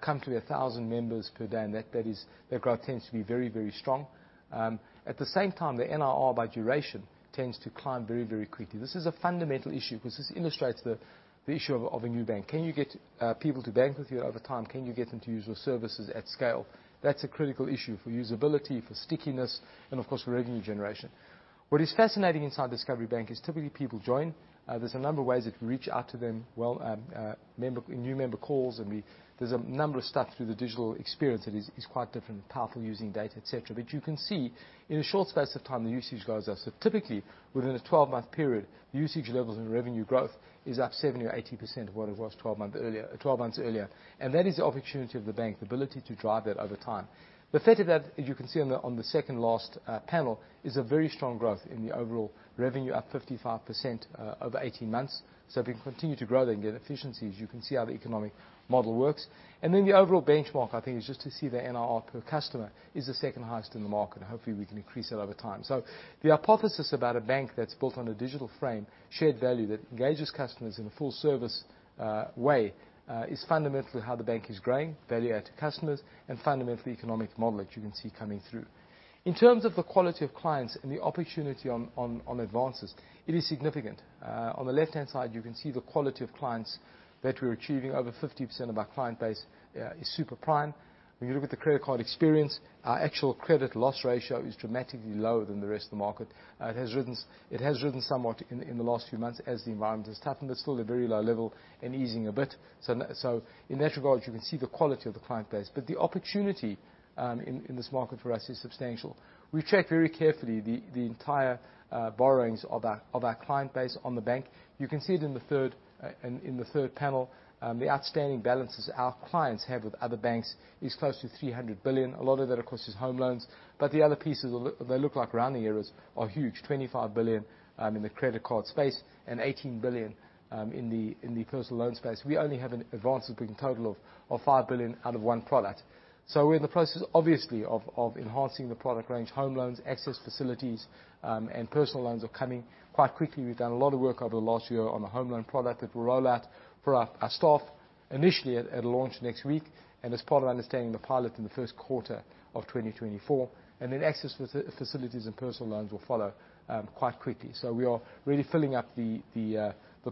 come to 1,000 members per day, and that growth tends to be very, very strong. At the same time, the NIR by duration tends to climb very, very quickly. This is a fundamental issue 'cause this illustrates the issue of a new bank. Can you get people to bank with you over time? Can you get them to use your services at scale? That's a critical issue for usability, for stickiness and, of course, for revenue generation. What is fascinating inside Discovery Bank is typically people join, there's a number of ways that we reach out to them. Well, new member calls, and there's a number of stuff through the digital experience that is quite different and powerful, using data, et cetera. But you can see in a short space of time, the usage goes up. So typically, within a 12-month period, the usage levels and revenue growth is up 70% or 80% of what it was 12 months earlier. That is the opportunity of the bank, the ability to drive that over time. The fact that, as you can see on the, on the second last panel, is a very strong growth in the overall revenue, up 55%, over 18 months. So if we can continue to grow that and get efficiencies, you can see how the economic model works. And then, the overall benchmark, I think, is just to see the NIR per customer is the second highest in the market, and hopefully, we can increase that over time. So the hypothesis about a bank that's built on a digital frame, shared value that engages customers in a full-service way, is fundamentally how the bank is growing value-add to customers and fundamentally economic model that you can see coming through. In terms of the quality of clients and the opportunity on advances, it is significant. On the left-hand side, you can see the quality of clients that we're achieving. Over 50% of our client base is super prime. When you look at the credit card experience, our actual credit loss ratio is dramatically lower than the rest of the market. It has risen somewhat in the last few months as the environment has toughened, but still a very low level and easing a bit. So in that regard, you can see the quality of the client base, but the opportunity in this market for us is substantial. We've checked very carefully the entire borrowings of our client base on the bank. You can see it in the third panel. The outstanding balances our clients have with other banks is close to 300 billion. A lot of that, of course, is home loans, but the other pieces they look like rounding errors, are huge. 25 billion in the credit card space and 18 billion in the personal loan space. We only have an advances bringing total of 5 billion out of one product. So we're in the process, obviously, of enhancing the product range. Home loans, access facilities, and personal loans are coming quite quickly. We've done a lot of work over the last year on the home loan product that will roll out for our staff. Initially, it'll launch next week, and as part of understanding the pilot in the Q1 of 2024, and then access facilities and personal loans will follow, quite quickly. So we are really filling up the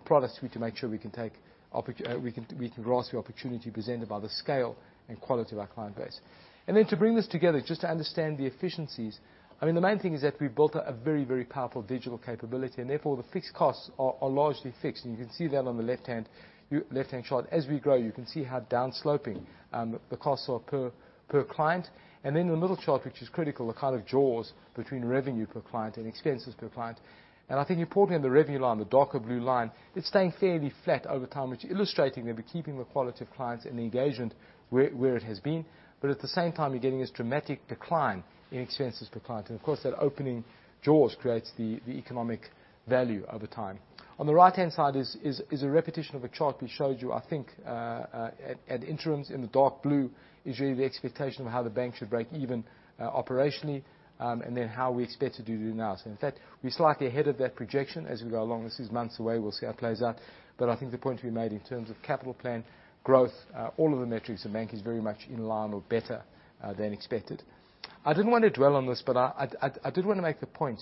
products to make sure we can grasp the opportunity presented by the scale and quality of our client base. And then, to bring this together, just to understand the efficiencies. I mean, the main thing is that we've built a very, very powerful digital capability, and therefore, the fixed costs are largely fixed. And you can see that on the left-hand chart. As we grow, you can see how downsloping the costs are per client. And then, in the middle chart, which is critical, the kind of jaws between revenue per client and expenses per client. And I think importantly, on the revenue line, the darker blue line, it's staying fairly flat over time, which illustrating that we're keeping the quality of clients and the engagement where it has been. But at the same time, you're getting this dramatic decline in expenses per client. And of course, that opening jaws creates the economic value over time. On the right-hand side is a repetition of a chart we showed you, I think, at interims. In the dark blue is really the expectation of how the bank should break even operationally, and then how we expect to do now. So in fact, we're slightly ahead of that projection as we go along. This is months away. We'll see how it plays out. I think the point we made in terms of capital plan growth, all of the metrics, the bank is very much in line or better than expected. I didn't want to dwell on this, but I did want to make the point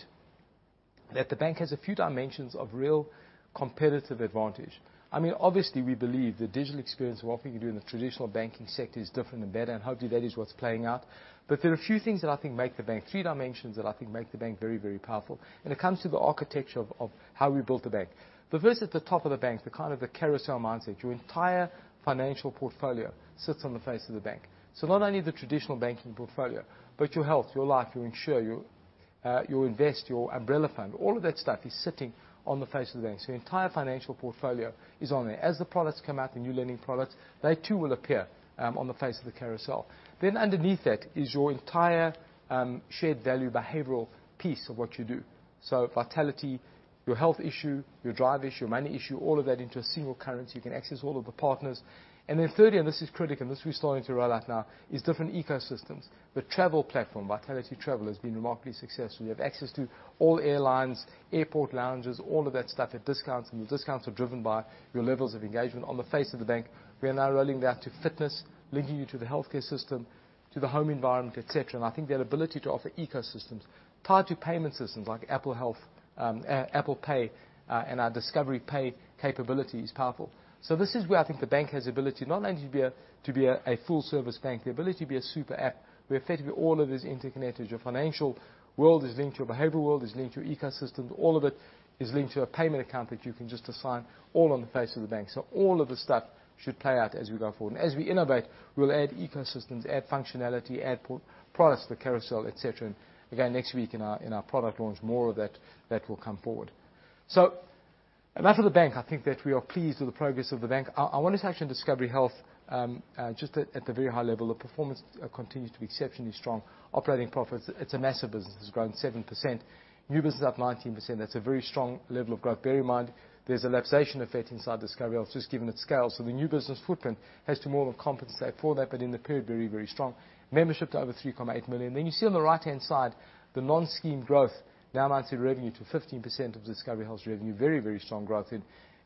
that the bank has a few dimensions of real competitive advantage. I mean, obviously, we believe the digital experience of what we can do in the traditional banking sector is different and better, and hopefully, that is what's playing out. There are a few things that I think make the bank, three dimensions that I think make the bank very, very powerful when it comes to the architecture of how we built the bank. First, at the top of the banks, the kind of the carousel mindset, your entire financial portfolio sits on the face of the bank. So not only the traditional banking portfolio, but your health, your life, your insurance, your invest, your umbrella fund. All of that stuff is sitting on the face of the bank. So your entire financial portfolio is on there. As the products come out, the new lending products, they too, will appear on the face of the carousel. Then underneath that is your entire shared value, behavioral piece of what you do. So Vitality, your health issue, your drive issue, your money issue, all of that into a single currency. You can access all of the partners. And then thirdly, and this is critical, and this we're starting to roll out now, is different ecosystems. The Travel Platform, Vitality Travel, has been remarkably successful. You have access to all airlines, airport lounges, all of that stuff at discounts, and the discounts are driven by your levels of engagement on the face of the bank. We are now rolling that to fitness, linking you to the healthcare system, to the home environment, et cetera. And I think that ability to offer ecosystems tied to payment systems like Apple Health, Apple Pay, and our Discovery Pay capability is powerful. So this is where I think the bank has the ability not only to be a full-service bank, the ability to be a super app, where effectively all of this is interconnected. Your financial world is linked to your behavioral world, is linked to your ecosystem. All of it is linked to a payment account that you can just assign all on the face of the bank. So all of the stuff should play out as we go forward. And as we innovate, we'll add ecosystems, add functionality, add pro- products to the carousel, et cetera. And again, next week in our, in our product launch, more of that, that will come forward. So enough of the bank, I think that we are pleased with the progress of the bank. I want to touch on Discovery Health. Just at the very high level, the performance continues to be exceptionally strong. Operating profits, it's a massive business. It's grown 7%. New business up 19%. That's a very strong level of growth. Bear in mind, there's a lapsation effect inside Discovery Health, just given its scale, so the new business footprint has to more than compensate for that, but in the period, very, very strong. Membership to over 3.8 million. Then you see on the right-hand side, the non-scheme growth now amounts in revenue to 15% of Discovery Health's revenue. Very, very strong growth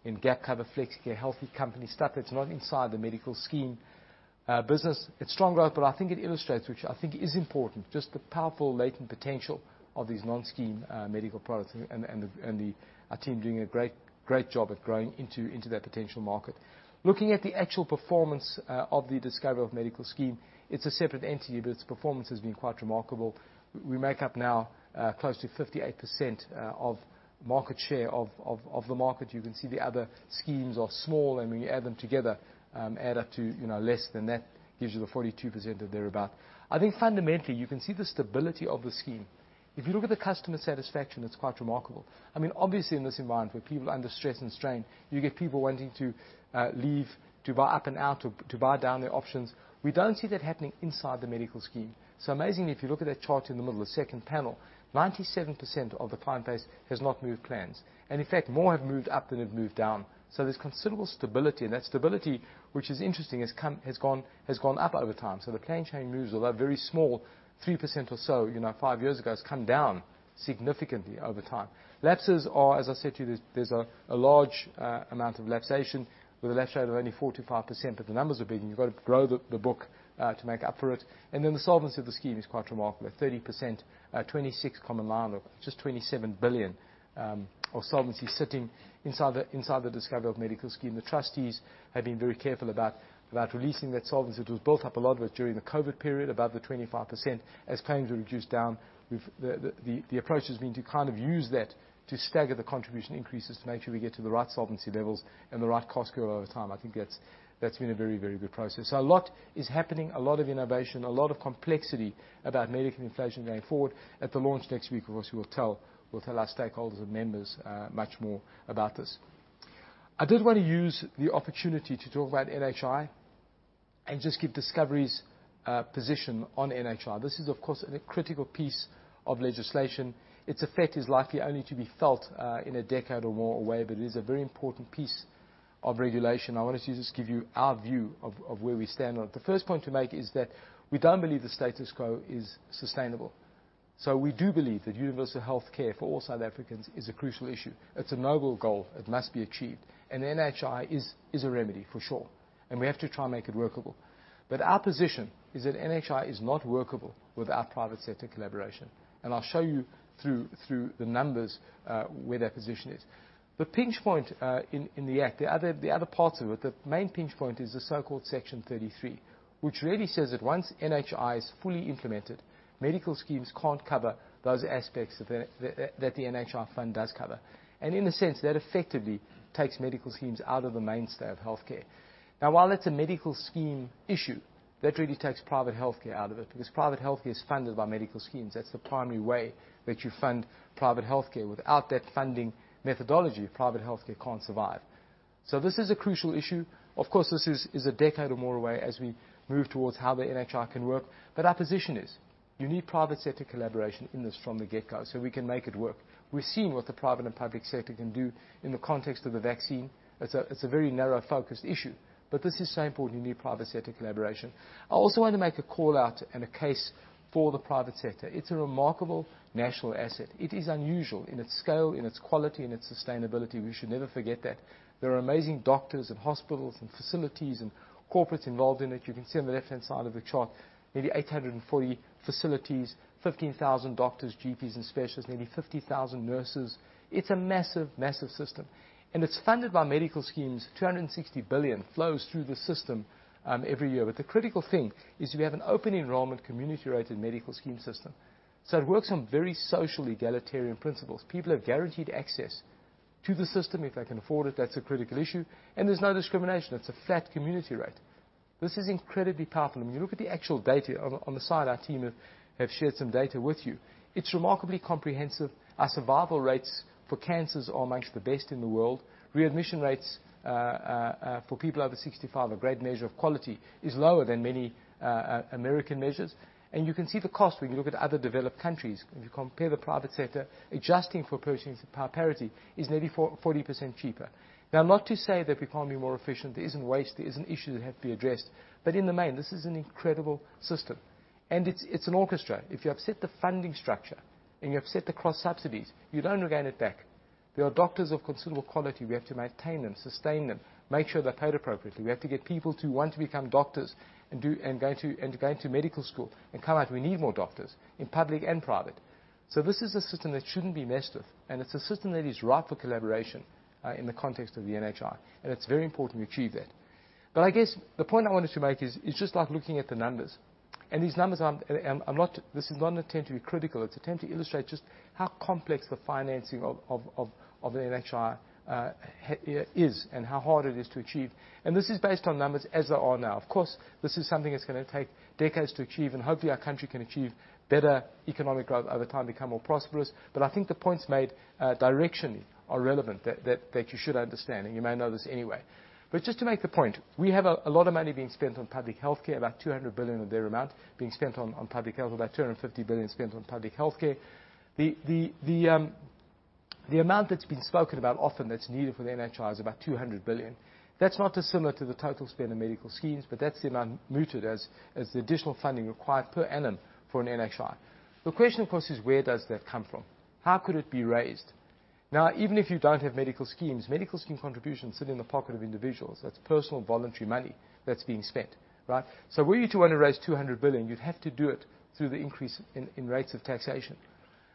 in gap cover, Flexicare, Healthy Company stuff that's not inside the medical scheme business. It's strong growth, but I think it illustrates, which I think is important, just the powerful latent potential of these non-scheme medical products, and our team doing a great, great job at growing into that potential market. Looking at the actual performance of the Discovery Health Medical Scheme, it's a separate entity, but its performance has been quite remarkable. We make up now close to 58% of market share of the market. You can see the other schemes are small, and when you add them together, add up to, you know, less than that, gives you the 42% or thereabout. I think fundamentally, you can see the stability of the scheme. If you look at the customer satisfaction, it's quite remarkable. I mean, obviously, in this environment, where people are under stress and strain, you get people wanting to leave, to buy up and out, or to buy down their options. We don't see that happening inside the medical scheme. So amazingly, if you look at that chart in the middle, the second panel, 97% of the client base has not moved plans, and in fact, more have moved up than have moved down. So there's considerable stability, and that stability, which is interesting, has gone up over time. So the claim chain moves, although very small, 3% or so, you know, five years ago, has come down significantly over time. Lapses are, as I said to you, there's a large amount of lapsation with a lapse rate of only 45%, but the numbers are big, and you've got to grow the book to make up for it. And then, the solvency of the scheme is quite remarkable, at 30%, 26 Common Law, just 27 billion of solvency sitting inside the Discovery Health Medical Scheme. The trustees have been very careful about releasing that solvency. It was built up a lot with during the COVID period, above the 25%. As claims were reduced down, we've, The approach has been to kind of use that to stagger the contribution increases, to make sure we get to the right solvency levels and the right cost curve over time. I think that's been a very, very good process. So a lot is happening, a lot of innovation, a lot of complexity about medical inflation going forward. At the launch next week, of course, we'll tell our stakeholders and members much more about this. I did want to use the opportunity to talk about NHI and just give Discovery's position on NHI. This is, of course, a critical piece of legislation. Its effect is likely only to be felt in a decade or more away, but it is a very important piece of regulation. I wanted to just give you our view of where we stand on it. The first point to make is that we don't believe the status quo is sustainable. So we do believe that universal health care for all South Africans is a crucial issue. It's a noble goal. It must be achieved. And NHI is a remedy, for sure, and we have to try and make it workable. But our position is that NHI is not workable without private sector collaboration, and I'll show you through the numbers where that position is. The pinch point in the Act, the other parts of it, the main pinch point is the so-called Section 33, which really says that once NHI is fully implemented, medical schemes can't cover those aspects that the NHI fund does cover. And in a sense, that effectively takes medical schemes out of the mainstay of healthcare. Now, while that's a medical scheme issue, that really takes private healthcare out of it, because private healthcare is funded by medical schemes. That's the primary way that you fund private healthcare. Without that funding methodology, private healthcare can't survive. This is a crucial issue. Of course, this is a decade or more away as we move towards how the NHI can work. Our position is, you need private sector collaboration in this from the get-go, so we can make it work. We've seen what the private and public sector can do in the context of the vaccine. It's a very narrow, focused issue, but this is so important. You need private sector collaboration. I also want to make a call out and a case for the private sector. It's a remarkable national asset. It is unusual in its scale, in its quality, and its sustainability. We should never forget that. There are amazing doctors and hospitals and facilities and corporates involved in it. You can see on the left-hand side of the chart, maybe 840 facilities, 15,000 doctors, GPs, and specialists, maybe 50,000 nurses. It's a massive, massive system, and it's funded by medical schemes. 260 billion flows through the system every year. But the critical thing is we have an open enrollment, community-rated medical scheme system, so it works on very social egalitarian principles. People have guaranteed access to the system if they can afford it. That's a critical issue, and there's no discrimination. It's a flat community rate. This is incredibly powerful. When you look at the actual data on the side, our team have shared some data with you. It's remarkably comprehensive. Our survival rates for cancers are amongst the best in the world. Readmission rates for people over 65, a great measure of quality, is lower than many American measures. And you can see the cost when you look at other developed countries. If you compare the private sector, adjusting for purchasing power parity, is nearly 40% cheaper. Now, not to say that we can't be more efficient. There is an waste, there is an issue that have to be addressed, but in the main, this is an incredible system, and it's an orchestra. If you upset the funding structure and you upset the cross subsidies, you don't gain it back. There are doctors of considerable quality. We have to maintain them, sustain them, make sure they're paid appropriately. We have to get people to want to become doctors and go to, and go into medical school and come out. We need more doctors in public and private. So this is a system that shouldn't be messed with, and it's a system that is ripe for collaboration in the context of the NHI, and it's very important we achieve that. But I guess the point I wanted to make is, it's just like looking at the numbers, and these numbers aren't. I'm not, this is not an attempt to be critical. It's an attempt to illustrate just how complex the financing of NHI is, and how hard it is to achieve. And this is based on numbers as they are now. Of course, this is something that's going to take decades to achieve, and hopefully, our country can achieve better economic growth over time, become more prosperous. But I think the points made directionally are relevant, that you should understand, and you may know this anyway. But just to make the point, we have a lot of money being spent on public healthcare, about 200 billion or thereabout, being spent on public health. About 250 billion spent on public healthcare. The amount that's been spoken about often that's needed for the NHI is about 200 billion. That's not dissimilar to the total spend on medical schemes, but that's the amount mooted as the additional funding required per annum for an NHI. The question, of course, is where does that come from? How could it be raised? Now, even if you don't have medical schemes, medical scheme contributions sit in the pocket of individuals. That's personal, voluntary money that's being spent, right? So were you to want to raise 200 billion, you'd have to do it through the increase in, in rates of taxation.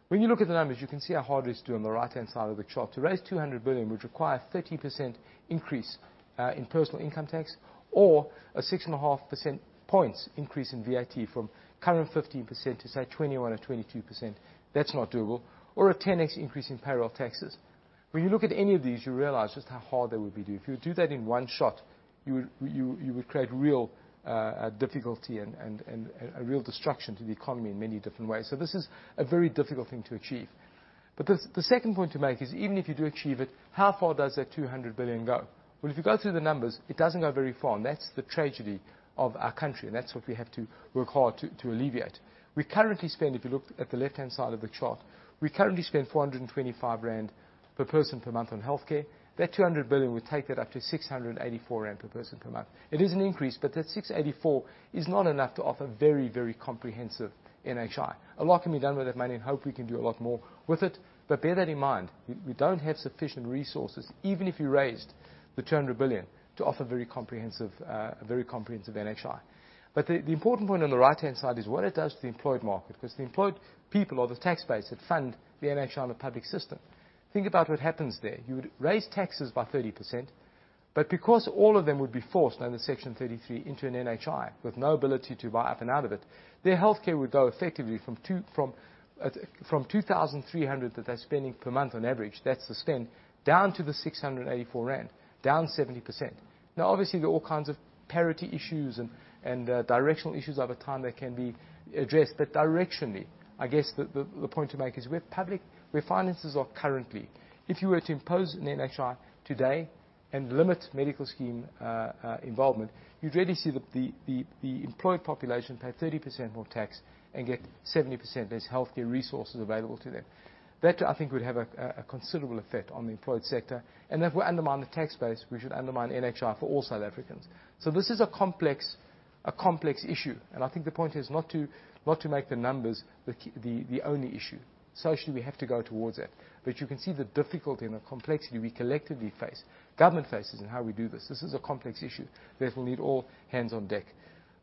When you look at the numbers, you can see how hard it is to do on the right-hand side of the chart. To raise 200 billion, which require 30% increase in personal income tax, or a 6.5 percentage points increase in VAT from current 15% to, say, 21% or 22%. That's not doable. Or a 10x increase in payroll taxes. When you look at any of these, you realize just how hard that would be to do. If you were to do that in one shot, you would create real difficulty and a real destruction to the economy in many different ways. So this is a very difficult thing to achieve. But the second point to make is, even if you do achieve it, how far does that 200 billion go? Well, if you go through the numbers, it doesn't go very far, and that's the tragedy of our country, and that's what we have to work hard to alleviate. We currently spend, if you look at the left-hand side of the chart, 425 rand per person per month on healthcare. That 200 billion would take that up to 684 rand per person per month. It is an increase, but that 684 is not enough to offer very, very comprehensive NHI. A lot can be done with that money, and hope we can do a lot more with it. But bear that in mind, we, we don't have sufficient resources, even if you raised the 200 billion, to offer very comprehensive, a very comprehensive NHI. But the important point on the right-hand side is what it does to the employed market, because the employed people or the tax base that fund the NHI and the public system. Think about what happens there. You would raise taxes by 30%, but because all of them would be forced under Section 33 into an NHI with no ability to buy up and out of it, their healthcare would go effectively from 2,300 that they're spending per month on average, that's the spend, down to the 684 rand, down 70%. Now, obviously, there are all kinds of parity issues and, and, directional issues over time that can be addressed. Directionally, I guess the point to make is, with public, where finances are currently, if you were to impose an NHI today and limit medical scheme involvement, you'd really see the employed population pay 30% more tax and get 70% less healthcare resources available to them. That, I think, would have a considerable effect on the employed sector, and that will undermine the tax base, which would undermine NHI for all South Africans. So this is a complex issue, and I think the point here is not to make the numbers the only issue. Socially, we have to go towards that. But you can see the difficulty and the complexity we collectively face, government faces, in how we do this. This is a complex issue that will need all hands on deck.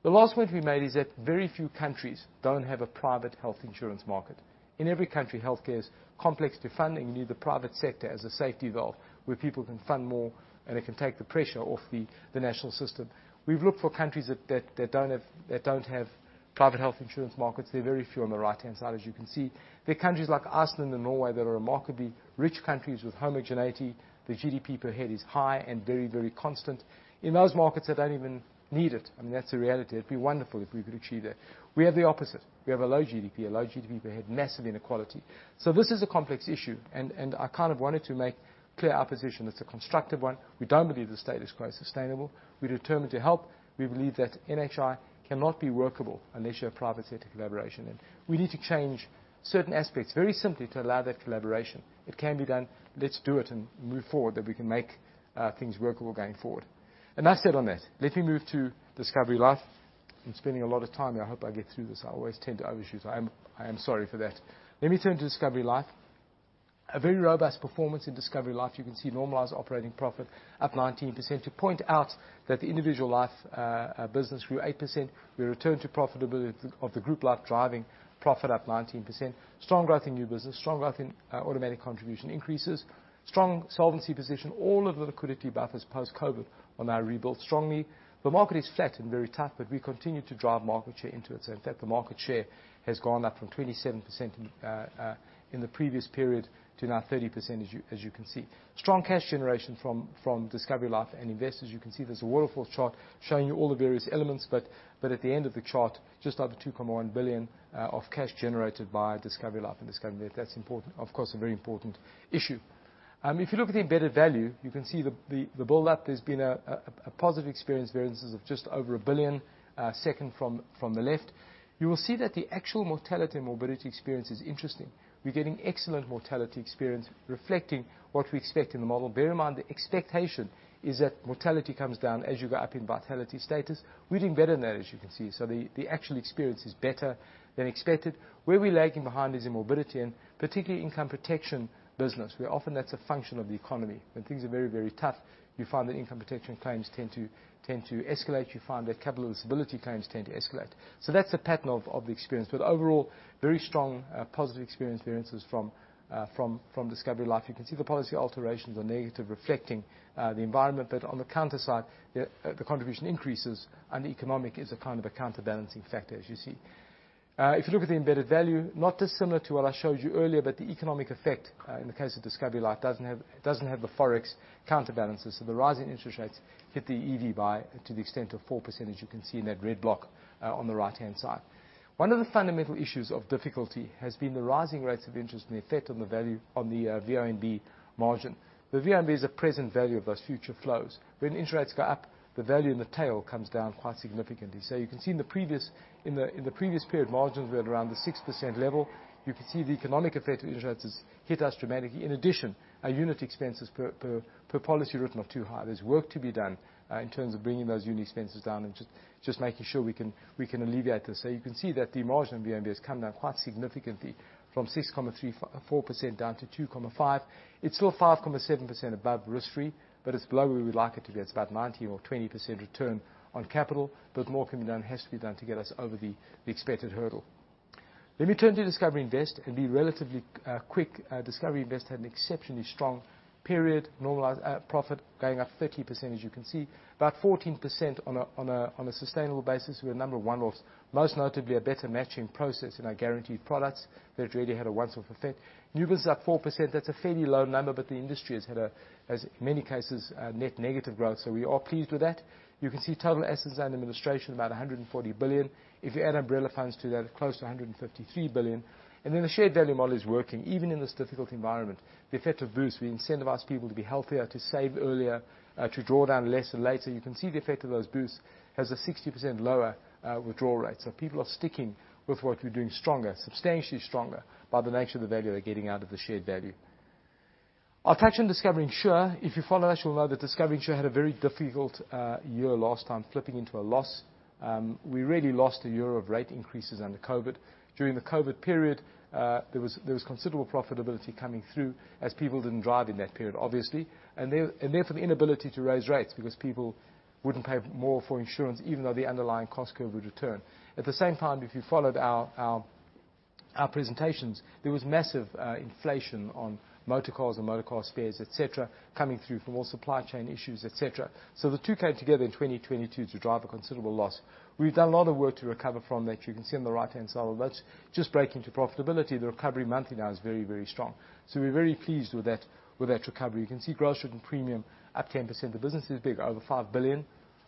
The last point to be made is that very few countries don't have a private health insurance market. In every country, healthcare is complex to fund, and you need the private sector as a safety valve, where people can fund more, and it can take the pressure off the national system. We've looked for countries that don't have private health insurance markets. They're very few on the right-hand side, as you can see. They're countries like Iceland and Norway, that are remarkably rich countries with homogeneity. The GDP per head is high and very, very constant. In those markets, they don't even need it. I mean, that's the reality. It'd be wonderful if we could achieve that. We have the opposite. We have a low GDP, a low GDP per head, massive inequality. This is a complex issue, and I kind of wanted to make clear our position. It's a constructive one. We don't believe the state is quite sustainable. We're determined to help. We believe that NHI cannot be workable unless you have private sector collaboration, and we need to change certain aspects very simply to allow that collaboration. It can be done. Let's do it and move forward, that we can make, I mean, things workable going forward. Enough said on that. Let me move to Discovery Life. I'm spending a lot of time, I hope I get through this. I always tend to overshoot. I am sorry for that. Let me turn to Discovery Life. A very robust performance in Discovery Life. You can see normalized operating profit up 19%. To point out that the individual life business grew 8%. We returned to profitability of the group life driving profit up 19%. Strong growth in new business. Strong growth in automatic contribution increases. Strong solvency position. All of the liquidity buffers post-COVID are now rebuilt strongly. The market is flat and very tough, but we continue to drive market share into it. So in fact, the market share has gone up from 27% in the previous period to now 30%, as you can see. Strong cash generation from Discovery Life and Discovery Invest. You can see there's a waterfall chart showing you all the various elements, but at the end of the chart, just over 2.1 billion of cash generated by Discovery Life and Discovery, that's important. Of course, a very important issue. If you look at the embedded value, you can see the build-up. There's been a positive experience, variances of just over 1 billion, second from the left. You will see that the actual mortality and morbidity experience is interesting. We're getting excellent mortality experience, reflecting what we expect in the model. Bear in mind, the expectation is that mortality comes down as you go up in Vitality status. We're doing better than that, as you can see. So the actual experience is better than expected. Where we're lagging behind is in morbidity and particularly income protection business, where often that's a function of the economy. When things are very, very tough, you find that income protection claims tend to escalate. You find that Capital Disability claims tend to escalate. So that's the pattern of the experience. But overall, very strong, positive experience, variances from Discovery Life. You can see the policy alterations are negative, reflecting the environment, but on the counter side, the contribution increases, and economic is a kind of a counterbalancing factor, as you see. If you look at the embedded value, not dissimilar to what I showed you earlier, but the economic effect, in the case of Discovery Life, doesn't have, it doesn't have the Forex counterbalances. So the rise in interest rates hit the EV by, to the extent of 4%, as you can see in that red block on the right-hand side. One of the fundamental issues of difficulty has been the rising rates of interest and the effect on the value, on the VNB margin. The VNB is a present value of those future flows. When interest rates go up, the value in the tail comes down quite significantly. So you can see in the previous period, margins were at around the 6% level. You can see the economic effect of interest rates has hit us dramatically. In addition, our unit expenses per policy written are too high. There's work to be done in terms of bringing those unit expenses down and just making sure we can alleviate this. You can see that the margin VNB has come down quite significantly from 6.34% down to 2.5%. It's still 5.7% above risk-free, but it's below where we'd like it to be. It's about 19% or 20% return on capital, but more can be done, has to be done to get us over the expected hurdle. Let me turn to Discovery Invest and be relatively quick. Discovery Invest had an exceptionally strong period. Normalized profit going up 30%, as you can see. About 14% on a sustainable basis, with a number of one-offs. Most notably, a better matching process in our guaranteed products that really had a once-off effect. New business up 4%, that's a fairly low number, but the industry has had a, as in many cases, net negative growth, so we are pleased with that. You can see total assets under administration, about 140 billion. If you add umbrella funds to that, close to 153 billion. The shared value model is working, even in this difficult environment. The effect of boosts, we incentivize people to be healthier, to save earlier, to draw down less and later. You can see the effect of those boosts has a 60% lower withdrawal rate. People are sticking with what we're doing stronger, substantially stronger, by the nature of the value they're getting out of the shared value. I'll touch on Discovery Insure. If you follow us, you'll know that Discovery Insure had a very difficult year last time, flipping into a loss. We really lost a year of rate increases under COVID. During the COVID period, there was considerable profitability coming through, as people didn't drive in that period, obviously. And therefore the inability to raise rates, because people wouldn't pay more for insurance, even though the underlying cost curve would return. At the same time, if you followed our presentations, there was massive inflation on motor cars and motor car spares, et cetera, coming through from all supply chain issues, et cetera. So the two came together in 2022 to drive a considerable loss. We've done a lot of work to recover from that. You can see on the right-hand side of that, just breaking to profitability. The recovery monthly now is very, very strong. So we're very pleased with that, with that recovery. You can see gross written premium up 10%. The business is big, over 5 billion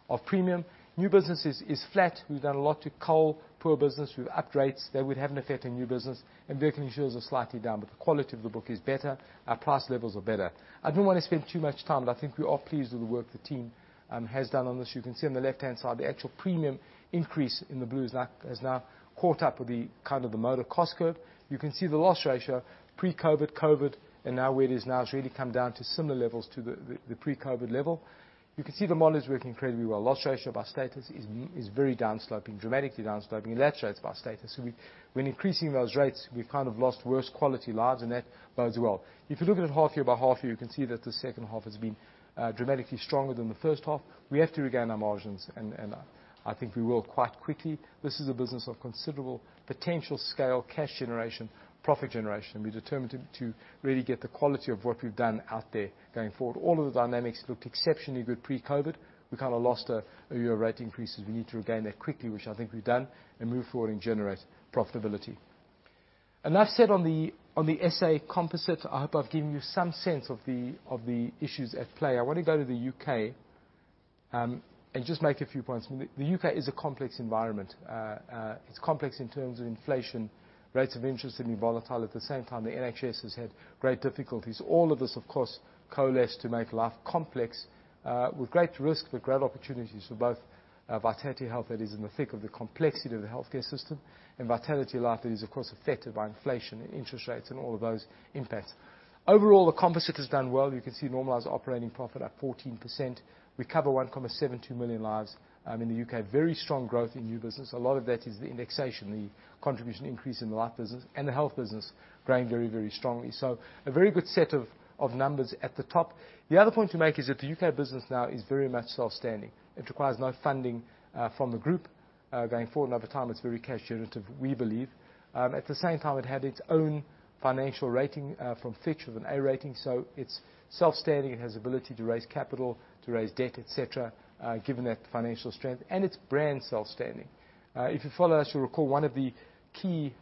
of premium. New business is flat. We've done a lot to cull poor business with upgrades. That would have an effect on new business. Vehicle insurance are slightly down, but the quality of the book is better, our price levels are better. I don't want to spend too much time, but I think we are pleased with the work the team has done on this. You can see on the left-hand side, the actual premium increase in the blue is now, has now caught up with the kind of the motor cost curve. You can see the loss ratio, pre-COVID, COVID, and now where it is now, it's really come down to similar levels to the pre-COVID level. You can see the model is working incredibly well. Loss ratio by status is very down sloping, dramatically down sloping, and that shows by status. So when increasing those rates, we've kind of lost worse quality lives, and that bodes well. If you look at it half year by half year, you can see that the second half has been dramatically stronger than the first half. We have to regain our margins, and I think we will quite quickly. This is a business of considerable potential scale, cash generation, profit generation. We're determined to really get the quality of what we've done out there going forward. All of the dynamics looked exceptionally good pre-COVID. We kind of lost a year of rate increases. We need to regain that quickly, which I think we've done, and move forward and generate profitability. Enough said on the S.A. composite. I hope I've given you some sense of the issues at play. I want to go to the U.K. and just make a few points. The U.K. is a complex environment. It's complex in terms of inflation, rates of interest have been volatile. At the same time, the NHS has had great difficulties. All of this, of course, coalesced to make life complex, with great risk, but great opportunities for both Vitality Health, that is in the thick of the complexity of the healthcare system, and Vitality Life, that is, of course, affected by inflation and interest rates and all of those impacts. Overall, the composite has done well. You can see normalized operating profit at 14%. We cover 172 million lives in the U.K. Very strong growth in new business. A lot of that is the indexation, the contribution increase in the life business, and the health business growing very, very strongly. So a very good set of numbers at the top. The other point to make is that the U.K. business now is very much self-standing. It requires no funding from the group going forward and over time; it's very cash generative, we believe. At the same time, it had its own financial rating from Fitch with an A rating, so it's self-standing. It has ability to raise capital, to raise debt, et cetera, given that financial strength, and its brand's self-standing. If you follow us, you'll recall one of the key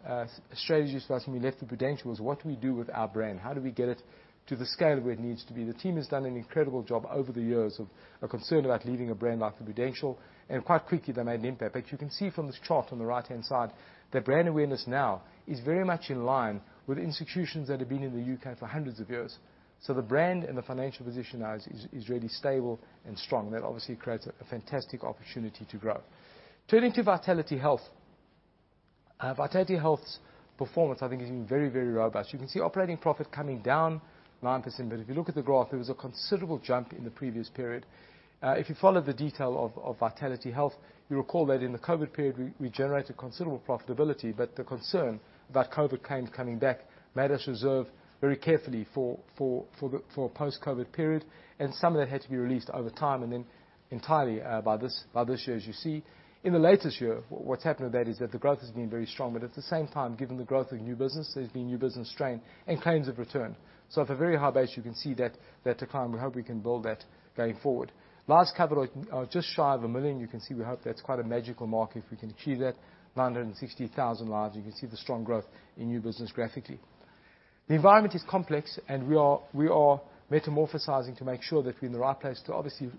strategies for us when we left Prudential was: What do we do with our brand? How do we get it to the scale where it needs to be? The team has done an incredible job over the years of concern about leading a brand like Prudential, and quite quickly they made an impact. You can see from this chart on the right-hand side, that brand awareness now is very much in line with institutions that have been in the U.K. for hundreds of years. The brand and the financial position now is really stable and strong. That obviously creates a fantastic opportunity to grow. Turning to Vitality Health. Vitality Health's performance, I think, is very, very robust. You can see operating profit coming down 9%, but if you look at the graph, there was a considerable jump in the previous period. If you followed the detail of Vitality Health, you'll recall that in the COVID period, we generated considerable profitability, but the concern about COVID claims coming back made us reserve very carefully for a post-COVID period, and some of that had to be released over time, and then entirely by this year, as you see. In the latest year, what's happened with that is that the growth has been very strong, but at the same time, given the growth of new business, there's been new business strain and claims have returned. So at a very high base, you can see that decline. We hope we can build that going forward. Last covered, just shy of a million. You can see we hope that's quite a magical mark, if we can achieve that. 960,000 lives. You can see the strong growth in new business graphically. The environment is complex, and we are metamorphosing to make sure that we're in the right place to obviously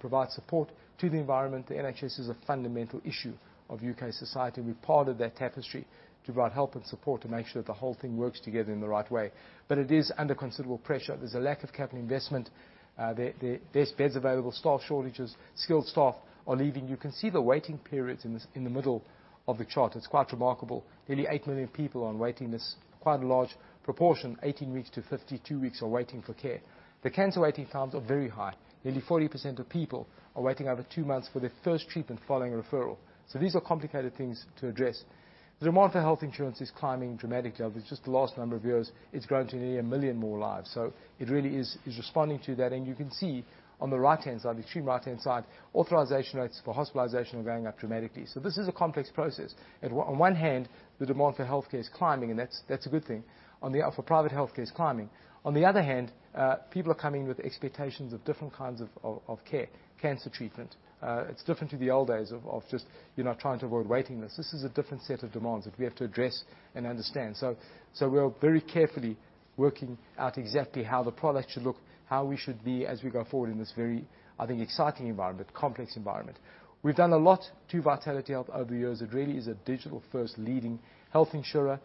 provide support to the environment. The NHS is a fundamental issue of U.K. society. We're part of that tapestry to provide help and support to make sure that the whole thing works together in the right way. But it is under considerable pressure. There's a lack of capital investment. There, there's beds available, staff shortages, skilled staff are leaving. You can see the waiting periods in the middle of the chart. It's quite remarkable. Nearly 8 million people are on waiting lists. Quite a large proportion, 18-52 weeks, are waiting for care. The cancer waiting times are very high. Nearly 40% of people are waiting over two months for their first treatment following a referral. So these are complicated things to address. The demand for health insurance is climbing dramatically. Over just the last number of years, it's grown to nearly one million more lives, so it really is responding to that. And you can see on the right-hand side, extreme right-hand side, authorization rates for hospitalization are going up dramatically. So this is a complex process. And on one hand, the demand for healthcare is climbing, and that's a good thing. The demand for private healthcare is climbing. On the other hand, people are coming with expectations of different kinds of care, cancer treatment. It's different to the old days of just, you know, trying to avoid waiting lists. This is a different set of demands that we have to address and understand. So we are very carefully working out exactly how the product should look, how we should be as we go forward in this very, I think, exciting environment, complex environment. We've done a lot to Vitality Health over the years. It really is a digital-first leading health insurer.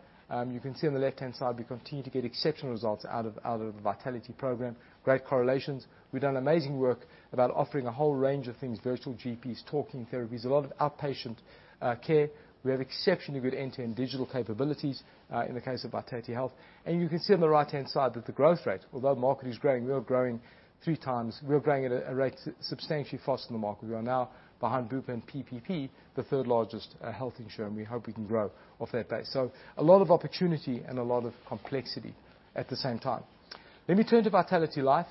You can see on the left-hand side, we continue to get exceptional results out of the Vitality program. Great correlations. We've done amazing work about offering a whole range of things, virtual GPs, talking therapies, a lot of outpatient care. We have exceptionally good end-to-end digital capabilities in the case of Vitality Health. You can see on the right-hand side that the growth rate, although the market is growing, we are growing 3x. We are growing at a rate substantially faster than the market. We are now, behind Bupa and PPP, the third-largest health insurer, and we hope we can grow off that base. So a lot of opportunity and a lot of complexity at the same time. Let me turn to Vitality Life.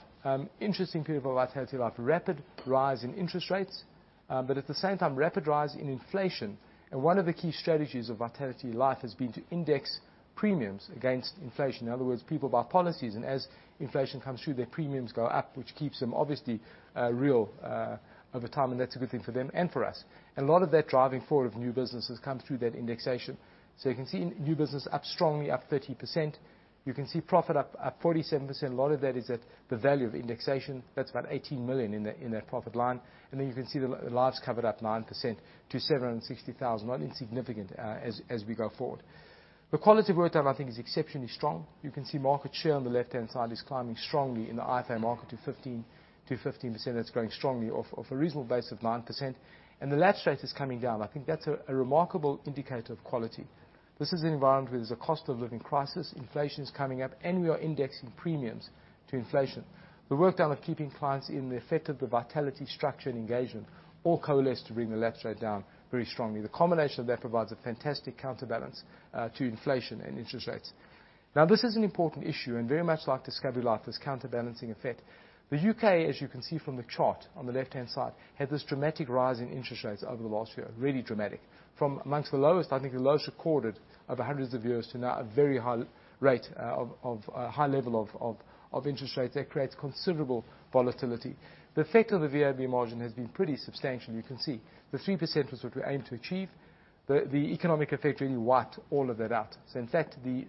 Interesting period for Vitality Life. Rapid rise in interest rates, but at the same time, rapid rise in inflation. And one of the key strategies of Vitality Life has been to index premiums against inflation. In other words, people buy policies, and as inflation comes through, their premiums go up, which keeps them obviously real over time, and that's a good thing for them and for us. A lot of that driving forward of new business has come through that indexation. So you can see new business up strongly, up 30%. You can see profit up, up 47%. A lot of that is at the value of indexation. That's about 18 million in that profit line. And then you can see the lives covered up 9% to 760,000, not insignificant, as we go forward. The quality of work done, I think, is exceptionally strong. You can see market share on the left-hand side is climbing strongly in the IFA market to 15%. That's growing strongly off a reasonable base of 9%, and the lapse rate is coming down. I think that's a remarkable indicator of quality. This is an environment where there's a cost of living crisis, inflation is coming up, and we are indexing premiums to inflation. The work done of keeping clients in the effect of the Vitality structure and engagement all coalesced to bring the lapse rate down very strongly. The combination of that provides a fantastic counterbalance to inflation and interest rates. Now, this is an important issue, and very much like Discovery Life, this counterbalancing effect. The U.K., as you can see from the chart on the left-hand side, had this dramatic rise in interest rates over the last year. Really dramatic. From amongst the lowest, I think the lowest recorded over hundreds of years, to now a very high level of interest rates that creates considerable volatility. The effect on the VNB margin has been pretty substantial. You can see the 3% was what we aimed to achieve. The economic effect really wiped all of that out. So in fact, the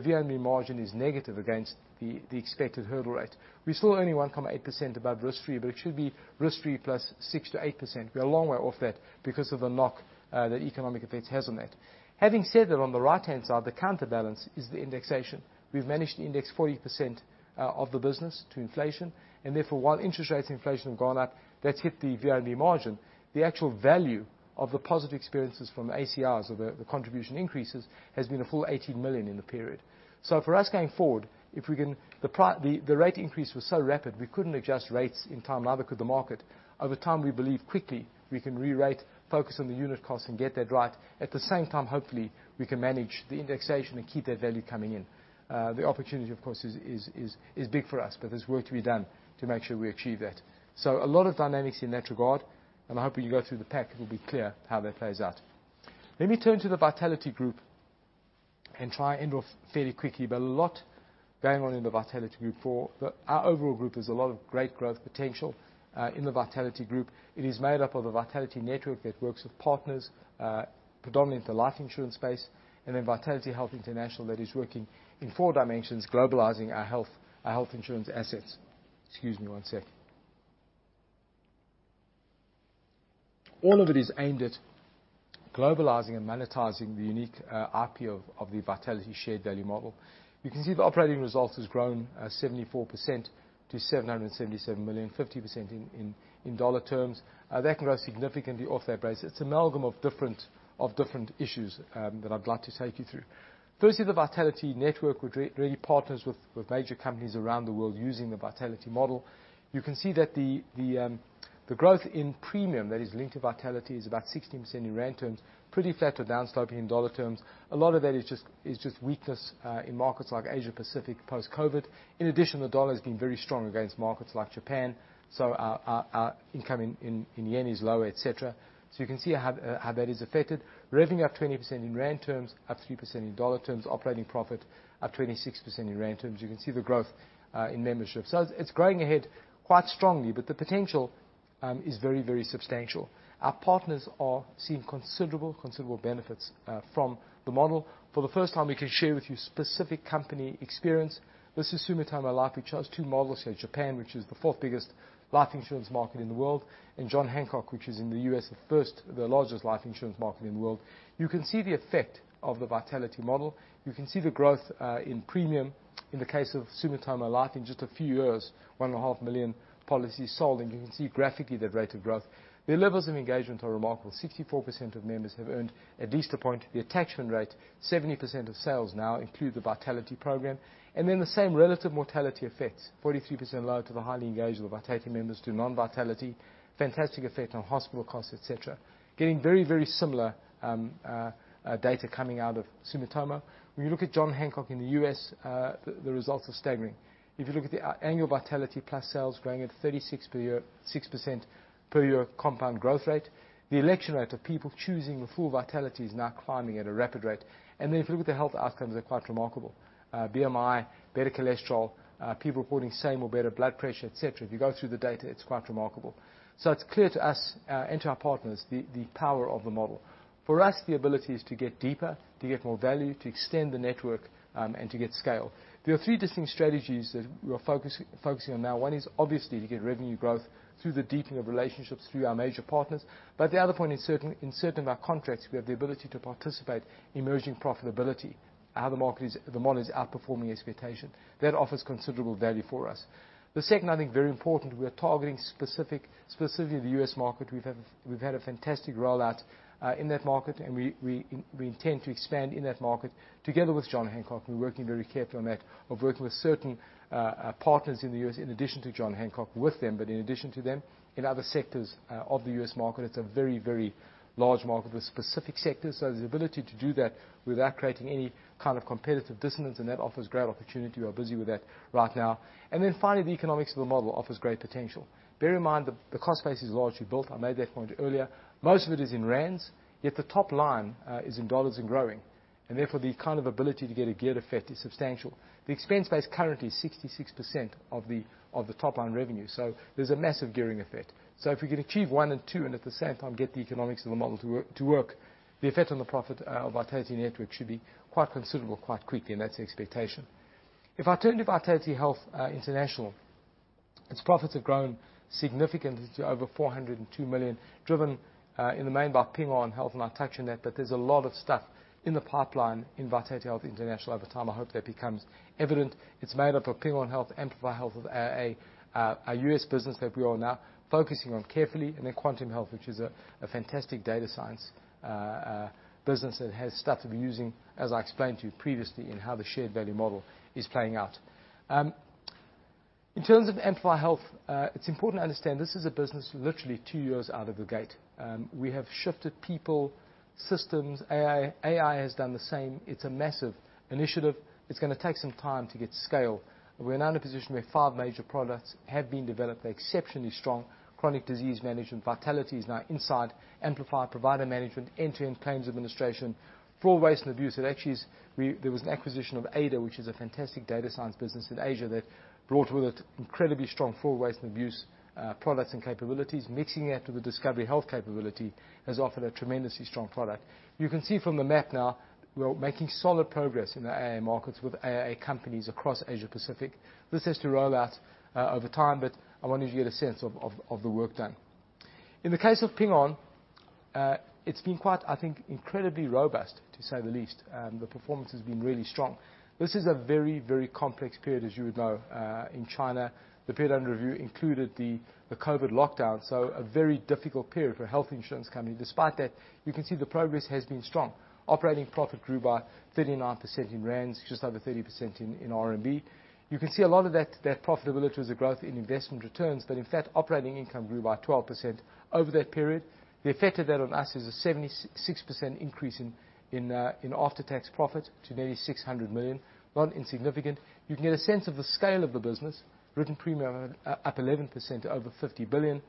VNB margin is negative against the expected hurdle rate. We're still only 1.8% above risk-free, but it should be risk-free plus 6% to 8%. We are a long way off that because of the knock, the economic effect has on that. Having said that, on the right-hand side, the counterbalance is the indexation. We've managed to index 40% of the business to inflation, and therefore, while interest rates and inflation have gone up, that's hit the VNB margin. The actual value of the positive experiences from ACRs, or the contribution increases, has been a full 18 million in the period. So for us, going forward, if we can... The rate increase was so rapid, we couldn't adjust rates in time, neither could the market. Over time, we believe quickly we can rerate, focus on the unit costs, and get that right. At the same time, hopefully, we can manage the indexation and keep that value coming in. The opportunity, of course, is big for us, but there's work to be done to make sure we achieve that. A lot of dynamics in that regard, and I hope when you go through the pack, it will be clear how that plays out. Let me turn to the Vitality Group and try and end off fairly quickly, but a lot going on in the Vitality Group for. But our overall group, there's a lot of great growth potential in the Vitality Group. It is made up of a Vitality Network that works with partners, predominantly in the life insurance space, and then Vitality Health International, that is working in four dimensions, globalizing our health, our health insurance assets. Excuse me one sec. All of it is aimed at globalizing and monetizing the unique IP of the Vitality Shared Value model. You can see the operating results has grown 74% to 777 million, 50% in dollar terms. That can grow significantly off that base. It's amalgam of different issues that I'd like to take you through. Firstly, the Vitality Network, which really partners with major companies around the world using the Vitality model. You can see that the growth in premium that is linked to Vitality is about 16% in rand terms, pretty flat or down sloping in dollar terms. A lot of that is just weakness in markets like Asia Pacific, post-COVID. In addition, the dollar has been very strong against markets like Japan, so our income in yen is lower, et cetera. So you can see how that is affected. Revenue up 20% in rand terms, up 3% in dollar terms. Operating profit up 26% in rand terms. You can see the growth in membership. So it's growing ahead quite strongly, but the potential... is very, very substantial. Our partners are seeing considerable benefits from the model. For the first time, we can share with you specific company experience. This is Sumitomo Life, which has two models here, Japan, which is the fourth biggest life insurance market in the world, and John Hancock, which is in the U.S., the largest life insurance market in the world. You can see the effect of the Vitality model. You can see the growth in premium. In the case of Sumitomo Life, in just a few years, 1.5 million policies sold, and you can see graphically, their rate of growth. Their levels of engagement are remarkable. 64% of members have earned at least a point. The attachment rate, 70% of sales now include the Vitality program. And then the same relative mortality effects, 43% lower to the highly engaged with Vitality members to non-Vitality. Fantastic effect on hospital costs, et cetera. Getting very, very similar data coming out of Sumitomo. When you look at John Hancock in the U.S., the results are staggering. If you look at the annual Vitality Plus sales growing at 36 per year, 6% per year compound growth rate, the election rate of people choosing the full Vitality is now climbing at a rapid rate. And then if you look at the health outcomes, they're quite remarkable. BMI, better cholesterol, people reporting same or better blood pressure, et cetera. If you go through the data, it's quite remarkable. So it's clear to us and to our partners, the power of the model. For us, the ability is to get deeper, to get more value, to extend the network, and to get scale. There are three distinct strategies that we are focusing on now. One is, obviously, to get revenue growth through the deepening of relationships through our major partners. But the other point in certain, in certain of our contracts, we have the ability to participate in emerging profitability, how the market is, the model is outperforming expectation. That offers considerable value for us. The second, I think, very important, we are targeting specifically the U.S. market. We've had a fantastic rollout in that market, and we intend to expand in that market together with John Hancock. We're working very carefully on that, of working with certain partners in the U.S., in addition to John Hancock with them, but in addition to them, in other sectors of the U.S. market. It's a very, very large market with specific sectors. The ability to do that without creating any kind of competitive dissonance offers great opportunity. We're busy with that right now. Finally, the economics of the model offers great potential. Bear in mind, the cost base is largely built. I made that point earlier. Most of it is in ZAR, yet the top line is in dollar and growing, and therefore, the kind of ability to get a geared effect is substantial. The expense base currently is 66% of the top line revenue, so there's a massive gearing effect. If we can achieve one and two, and at the same time, get the economics of the model to work, the effect on the profit of Vitality network should be quite considerable, quite quickly, and that's the expectation. If I turn to Vitality Health International, its profits have grown significantly to over 402 million, driven in the main by Ping An Health and our touch on that, but there's a lot of stuff in the pipeline in Vitality Health International. Over time, I hope that becomes evident. It's made up of Ping An Health, Amplify Health of AIA, our US business that we are now focusing on carefully, and then Quantium, which is a fantastic data science business that has started using, as I explained to you previously, in how the shared value model is playing out. In terms of Amplify Health, it's important to understand this is a business literally two years out of the gate. We have shifted people, systems, AI, AIA has done the same. It's a massive initiative. It's gonna take some time to get scale. We're now in a position where five major products have been developed. They're exceptionally strong. Chronic disease management, Vitality is now inside Amplify provider management, end-to-end claims administration. Fraud, waste, and abuse, it actually is. There was an acquisition of Ada, which is a fantastic data science business in Asia that brought with it incredibly strong fraud, waste, and abuse products and capabilities. Mixing it with the Discovery Health capability has offered a tremendously strong product. You can see from the map now, we are making solid progress in the AIA markets with AIA companies across Asia Pacific. This has to roll out over time, but I want you to get a sense of, of, of the work done. In the case of Ping An, it's been quite, I think, incredibly robust, to say the least. The performance has been really strong. This is a very, very complex period, as you would know. In China, the period under review included the COVID lockdown, so a very difficult period for a health insurance company. Despite that, you can see the progress has been strong. Operating profit grew by 39% in rands, just over 30% in RMB. You can see a lot of that profitability was a growth in investment returns, but in fact, operating income grew by 12% over that period. The effect of that on us is a 76% increase in after-tax profit to nearly 600 million, non-insignificant. You can get a sense of the scale of the business, written premium up 11% to over 50 billion.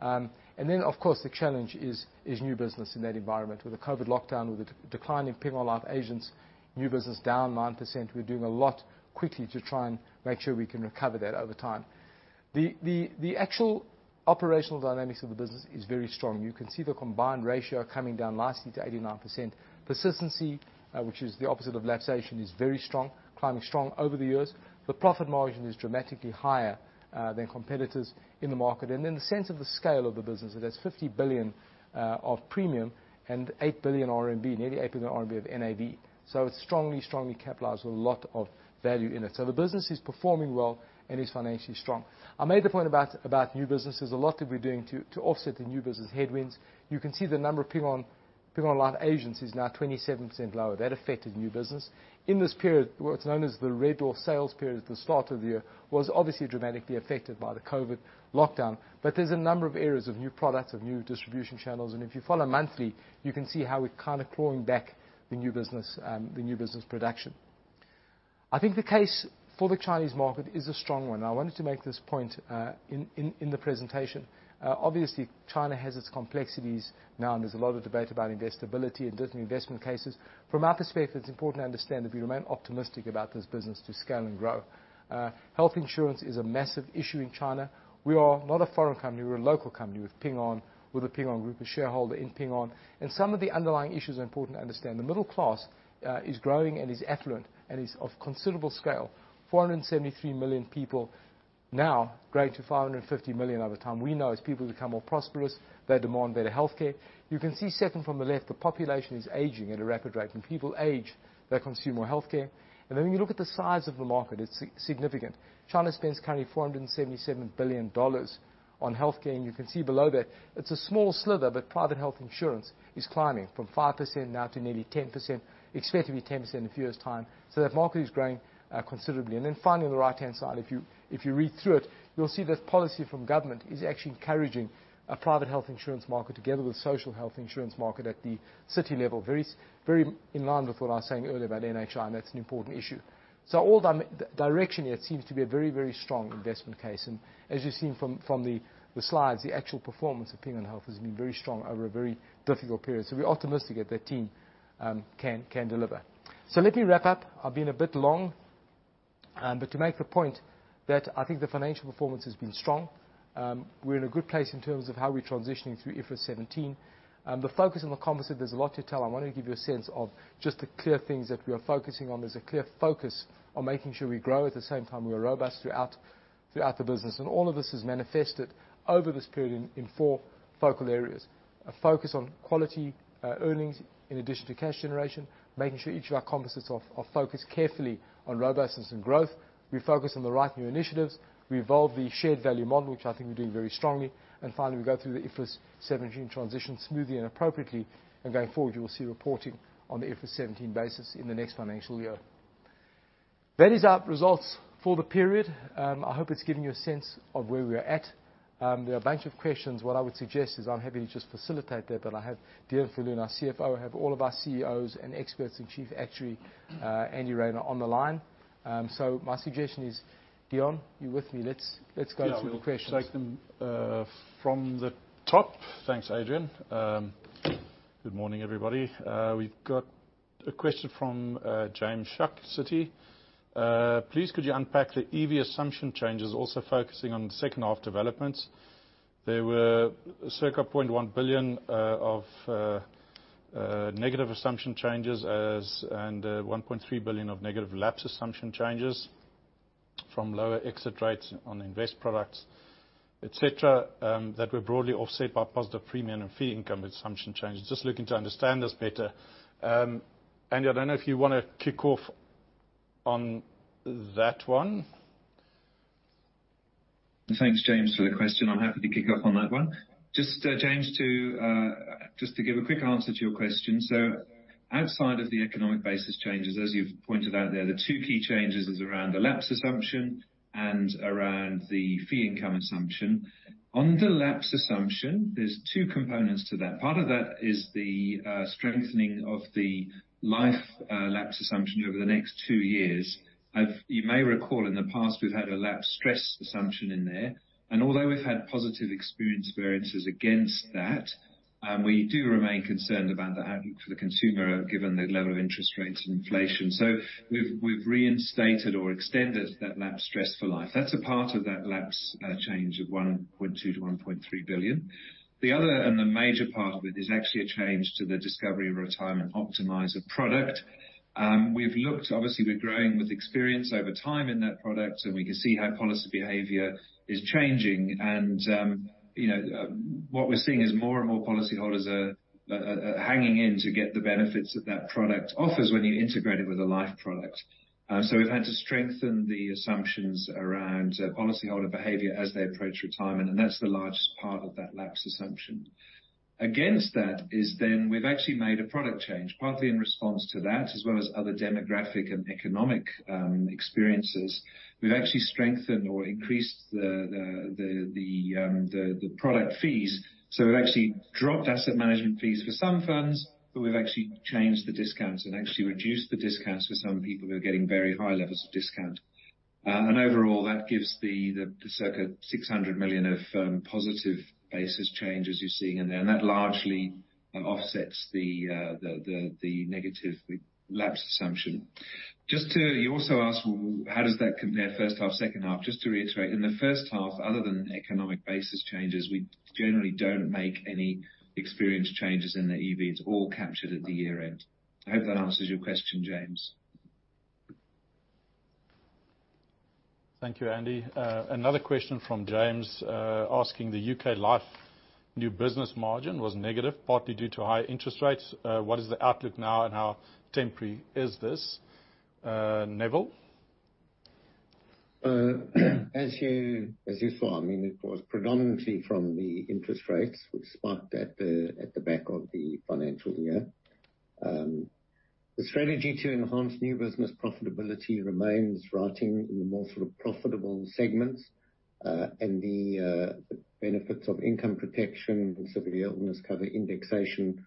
And then, of course, the challenge is new business in that environment. With the COVID lockdown, with the decline in Ping An Life agents, new business down 9%. We're doing a lot quickly to try and make sure we can recover that over time. The actual operational dynamics of the business is very strong. You can see the combined ratio coming down nicely to 89%. Persistency, which is the opposite of lapsation, is very strong, climbing strong over the years. The profit margin is dramatically higher than competitors in the market. And then the sense of the scale of the business, it has 50 billion of premium and 8 billion RMB, nearly 8 billion RMB of NAV. So it's strongly, strongly capitalized with a lot of value in it. So the business is performing well and is financially strong. I made the point about new business. There's a lot that we're doing to, to offset the new business headwinds. You can see the number of Ping An, Ping An Life agents is now 27% lower. That affected new business. In this period, what's known as the Red Door sales period, at the start of the year, was obviously dramatically affected by the COVID lockdown, but there's a number of areas of new products, of new distribution channels, and if you follow monthly, you can see how we're kind of clawing back the new business, the new business production. I think the case for the Chinese market is a strong one. I wanted to make this point, in, in, in the presentation. Obviously, China has its complexities now, and there's a lot of debate about investability and different investment cases. From our perspective, it's important to understand that we remain optimistic about this business to scale and grow. Health insurance is a massive issue in China. We are not a foreign company, we're a local company with Ping An, with the Ping An group, a shareholder in Ping An. And some of the underlying issues are important to understand. The middle class is growing and is affluent and is of considerable scale. 473 million people now, growing to 450 million over time. We know as people become more prosperous, they demand better healthcare. You can see second from the left, the population is aging at a rapid rate, and people age, they consume more healthcare. And then, when you look at the size of the market, it's significant. China spends currently $477 billion on healthcare, and you can see below that it's a small sliver, but private health insurance is climbing from 5% now to nearly 10%. Expect to be 10% in the fewest time. That market is growing considerably. Finally, on the right-hand side, if you read through it, you'll see that policy from government is actually encouraging a private health insurance market together with social health insurance market at the city level. Very in line with what I was saying earlier about NHI, and that's an important issue. All direction, it seems to be a very, very strong investment case, and as you've seen from the slides, the actual performance of Ping An Health has been very strong over a very difficult period. So we're optimistic that that team can deliver. So let me wrap up. I've been a bit long, but to make the point that I think the financial performance has been strong. We're in a good place in terms of how we're transitioning through IFRS 17. The focus on the composite, there's a lot to tell. I want to give you a sense of just the clear things that we are focusing on. There's a clear focus on making sure we grow. At the same time, we are robust throughout the business, and all of this is manifested over this period in four focal areas. A focus on quality earnings, in addition to cash generation, making sure each of our composites are focused carefully on robustness and growth. We focus on the right new initiatives. We evolve the shared value model, which I think we're doing very strongly. Finally, we go through the IFRS 17 transition smoothly and appropriately. Going forward, you will see reporting on the IFRS 17 basis in the next financial year. That is our results for the period. I hope it's given you a sense of where we're at. There are a bunch of questions. What I would suggest is I'm happy to just facilitate that, but I have Deon Vosloo and our CFO, I have all of our CEOs and experts in chief actuary, Andy Rayner, on the line. So my suggestion is, Deon, you're with me. Let's go to the questions. Yeah. Take them, from the top. Thanks, Adrian. Good morning, everybody. We've got a question from James Shuck, Citi. Please, could you unpack the EV assumption changes, also focusing on the second half developments? There were circa 0.1 billion of negative assumption changes as and 1.3 billion of negative lapse assumption changes from lower exit rates on invest products, et cetera, that were broadly offset by positive premium and fee income assumption changes. Just looking to understand this better. Andy, I don't know if you want to kick off on that one. Thanks, James, for the question. I'm happy to kick off on that one. Just, James, to just to give a quick answer to your question. Outside of the economic basis changes, as you've pointed out there, the two key changes is around the lapse assumption and around the fee income assumption. On the lapse assumption, there's two components to that. Part of that is the strengthening of the life lapse assumption over the next two years. You may recall, in the past, we've had a lapse stress assumption in there, and although we've had positive experience variances against that, we do remain concerned about the outcome for the consumer, given the level of interest rates and inflation. We've reinstated or extended that lapse stress for life. That's a part of that lapse change of 1.2 billion to 1.3 billion. The other, and the major part of it, is actually a change to the Discovery Retirement Optimizer product. We've looked, obviously, we're growing with experience over time in that product, and we can see how policy behavior is changing. You know, what we're seeing is more and more policyholders are hanging in to get the benefits that that product offers when you integrate it with a life product. We've had to strengthen the assumptions around policyholder behavior as they approach retirement, and that's the largest part of that lapse assumption. Against that, we've actually made a product change, partly in response to that, as well as other demographic and economic experiences. We've actually strengthened or increased the product fees. So we've actually dropped asset management fees for some firms, but we've actually changed the discounts and actually reduced the discounts for some people who are getting very high levels of discount. And overall, that gives the circa 600 million of positive basis change, as you're seeing in there, and that largely offsets the negative lapse assumption. You also asked, well, how does that compare first half, second half? Just to reiterate, in the first half, other than economic basis changes, we generally don't make any experience changes in the EBs, all captured at the year-end. I hope that answers your question, James. Thank you, Andy. Another question from James, asking, the U.K. life new business margin was negative, partly due to high interest rates. What is the outlook now, and how temporary is this? Neville? As you, as you saw, I mean, it was predominantly from the interest rates, which spiked at the, at the back of the financial year. The strategy to enhance new business profitability remains writing in the more sort of profitable segments and the, the benefits of income protection and severe illness cover indexation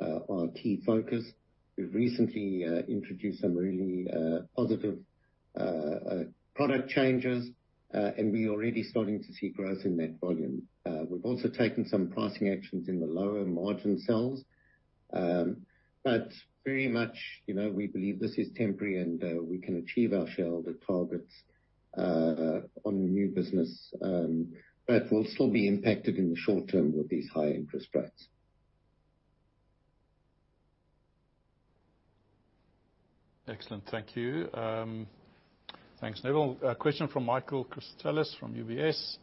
are our key focus. We've recently introduced some really positive product changes, and we're already starting to see growth in that volume. We've also taken some pricing actions in the lower margin sales. But very much, you know, we believe this is temporary, and we can achieve our shareholder targets on new business. But we'll still be impacted in the short term with these high interest rates. Excellent. Thank you. Thanks, Neville. A question from Michael Christelis from UBS.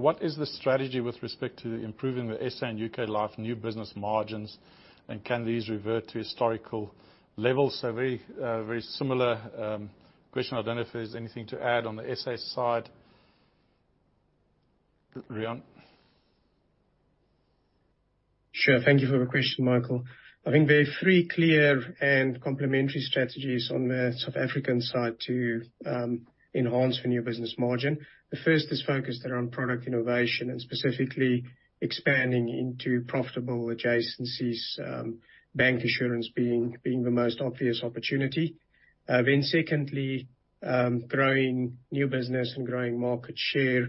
"What is the strategy with respect to improving the S.A. and U.K. Life new business margins, and can these revert to historical levels?" So very, very similar question. I don't know if there's anything to add on the S.A. side, Riaan? Sure. Thank you for the question, Michael. I think there are three clear and complementary strategies on the South African side to enhance the new business margin. The first is focused around product innovation, and specifically expanding into profitable adjacencies, bank assurance being the most obvious opportunity. Then secondly, growing new business and growing market share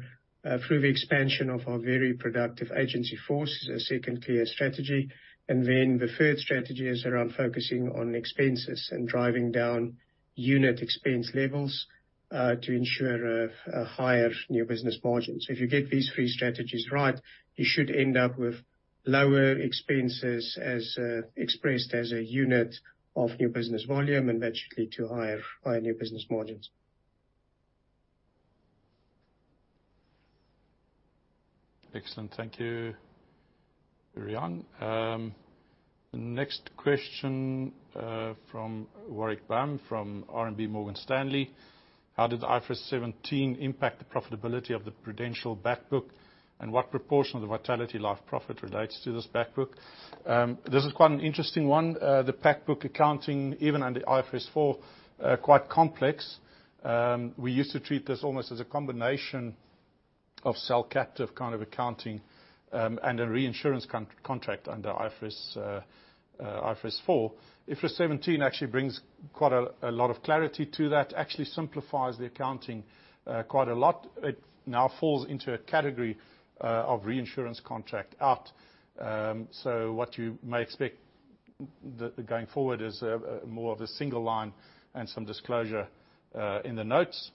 through the expansion of our very productive agency force is a second clear strategy. And then, the third strategy is around focusing on expenses, and driving down unit expense levels to ensure a higher new business margin. So if you get these three strategies right, you should end up with lower expenses as expressed as a unit of new business volume, and that should lead to higher new business margins. Excellent. Thank you, Riaan. The next question from Warwick Bam from RMB Morgan Stanley: "How did IFRS 17 impact the profitability of the Prudential back book, and what proportion of the Vitality Life profit relates to this back book?" This is quite an interesting one. The back book accounting, even under IFRS 4, are quite complex. We used to treat this almost as a combination of self-captive kind of accounting, and a reinsurance contract under IFRS, IFRS 4. IFRS 17 actually brings quite a lot of clarity to that. Actually simplifies the accounting, quite a lot. It now falls into a category of reinsurance contract out. So what you may expect going forward is more of a single line and some disclosure in the notes.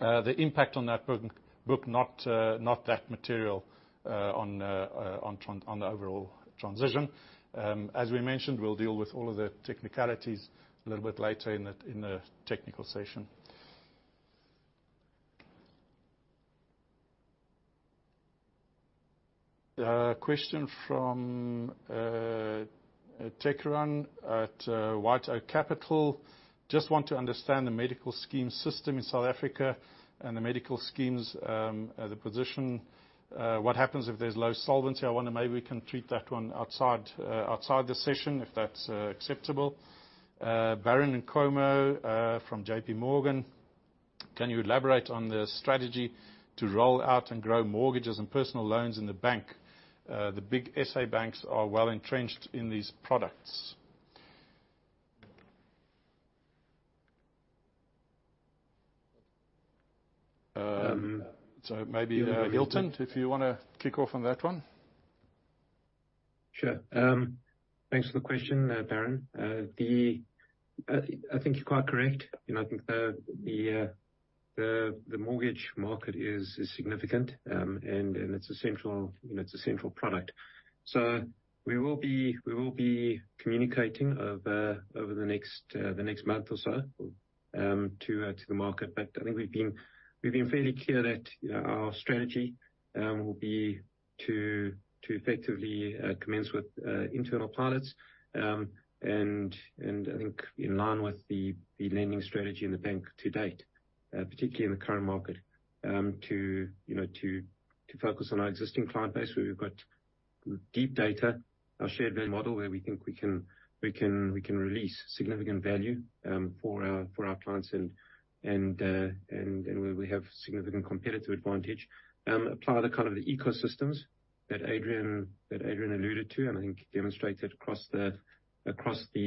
The impact on that book, book, not, not that material, on, on the overall transition. As we mentioned, we'll deal with all of the technicalities a little bit later in the technical session. Question from Tekeron at White Oak Capital: "Just want to understand the medical scheme system in South Africa and the medical schemes, the position. What happens if there's low solvency?" I wonder, maybe we can treat that one outside, outside the session, if that's acceptable. Barron Nkomo from JPMorgan: "Can you elaborate on the strategy to roll out and grow mortgages and personal loans in the bank? The big S.A. banks are well-entrenched in these products." Maybe, Hylton, if you wanna kick off on that one. Sure. Thanks for the question, Barron. I think you're quite correct. You know, I think the mortgage market is significant, and it's a central, you know, it's a central product. So we will be communicating over the next month or so to the market. But I think we've been fairly clear that our strategy will be to effectively commence with internal pilots. I think in line with the lending strategy in the bank to date, particularly in the current market, you know, to focus on our existing client base, where we've got deep data, our shared value model, where we think we can release significant value for our clients, and where we have significant competitive advantage. Apply the kind of ecosystems that Adrian alluded to, and I think demonstrated across the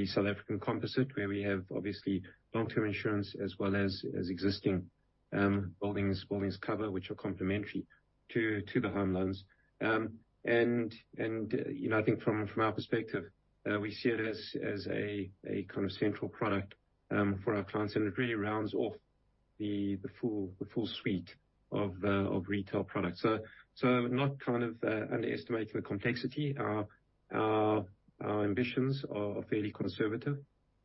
South African composite, where we have obviously long-term insurance as well as existing buildings cover, which are complementary to the home loans. You know, I think from our perspective, we see it as a kind of central product for our clients, and it really rounds off the full suite of retail products. Not kind of underestimating the complexity. Our ambitions are fairly conservative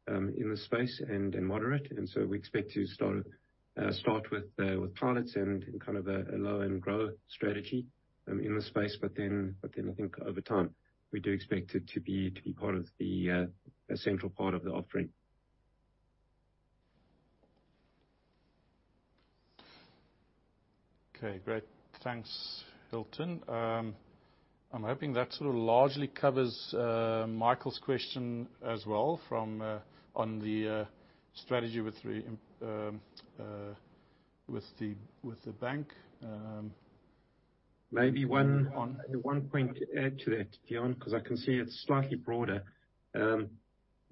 in this space and moderate, and we expect to start with pilots and in kind of a low-and-grow strategy in this space. I think over time, we do expect it to be part of a central part of the offering. Okay, great. Thanks, Hylton. I'm hoping that sort of largely covers Michael's question as well, from, on the strategy with re, with the bank. Maybe one point to add to that, Deon, because I can see it's slightly broader.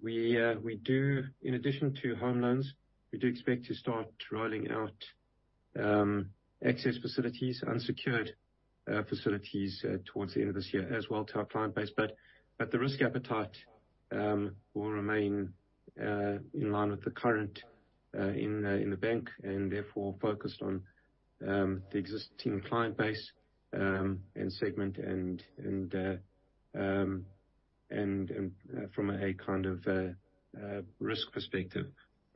We do, in addition to home loans, expect to start rolling out access facilities, unsecured facilities, towards the end of this year as well, to our client base. The risk appetite will remain in line with the current in the bank, and therefore focused on the existing client base and segment, and from a kind of risk perspective,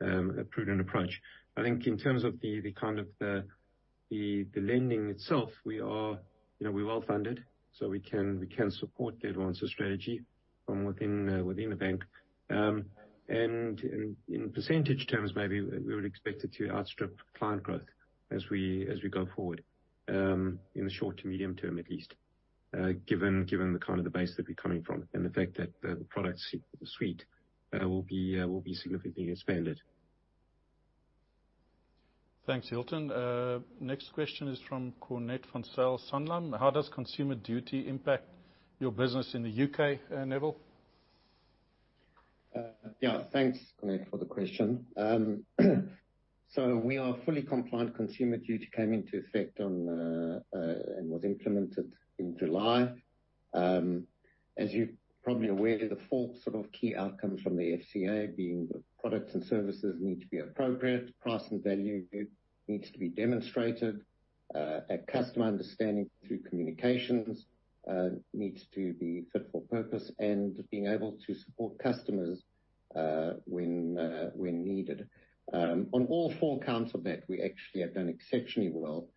a prudent approach. I think in terms of the lending itself, we are, you know, we're well-funded, so we can support the advances strategy from within the bank. And in percentage terms, maybe we would expect it to outstrip client growth as we go forward, in the short to medium term, at least, given the kind of the base that we're coming from, and the fact that the product suite will be significantly expanded. Thanks, Hilton. Next question is from Cornet from Sanlam. How does Consumer Duty impact your business in the U.K., Neville? Yeah, thanks, Cornet, for the question. We are fully compliant. Consumer duty came into effect and was implemented in July. As you're probably aware, the four sort of key outcomes from the FCA, being the products and services need to be appropriate, price and value needs to be demonstrated, a customer understanding through communications needs to be fit for purpose, and being able to support customers when needed. On all four counts of that, we actually have done exceptionally well.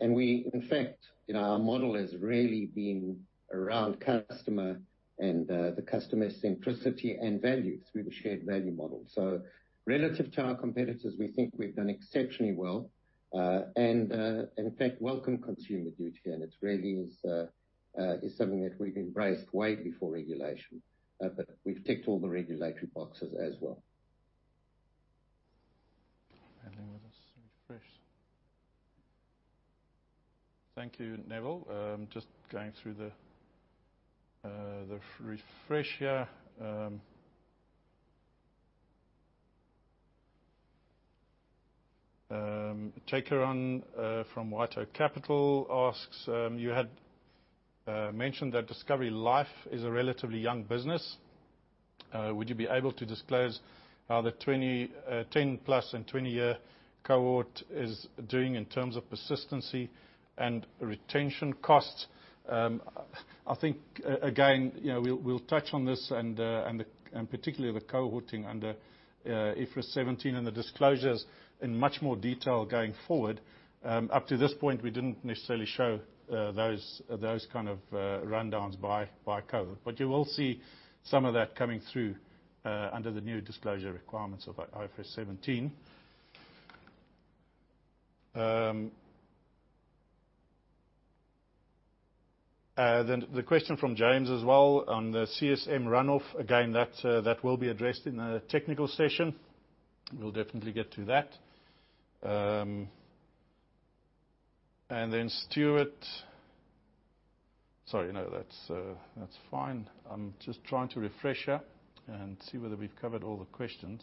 We in fact, you know, our model has really been around customer and the customer centricity and value through the shared value model. Relative to our competitors, we think we've done exceptionally well, and, in fact, welcome consumer duty. It really is something that we've embraced way before regulation. We've ticked all the regulatory boxes as well. Thank you, Neville. Just going through the refresh here. Jacob Run from White Oak Capital asks: You had mentioned that Discovery Life is a relatively young business. Would you be able to disclose how the 20, 10 plus and 20-year cohort is doing in terms of persistency and retention costs? I think again, you know, we'll touch on this and particularly the cohorting under IFRS 17 and the disclosures in much more detail going forward. Up to this point, we didn't necessarily show those kind of rundowns by cohort. But you will see some of that coming through under the new disclosure requirements of IFRS 17. Then the question from James as well on the CSM runoff, again, that will be addressed in a technical session. We'll definitely get to that. And then Stuart. Sorry, no, that's fine. I'm just trying to refresh here and see whether we've covered all the questions.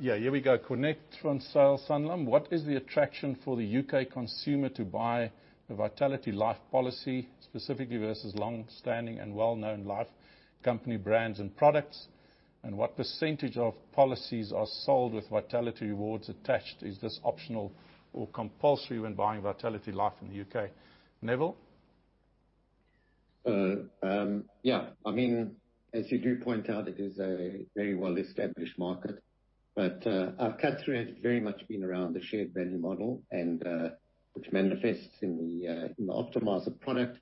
Yeah, here we go. Cornet from Sanlam: What is the attraction for the U.K. consumer to buy a Vitality Life policy, specifically versus long-standing and well-known life company brands and products? And what percentage of policies are sold with Vitality rewards attached? Is this optional or compulsory when buying Vitality Life in the U.K.? Neville? Yeah. I mean, as you do point out, it is a very well-established market. But, our cut-through has very much been around the shared value model, and, which manifests in the, in the optimizer product,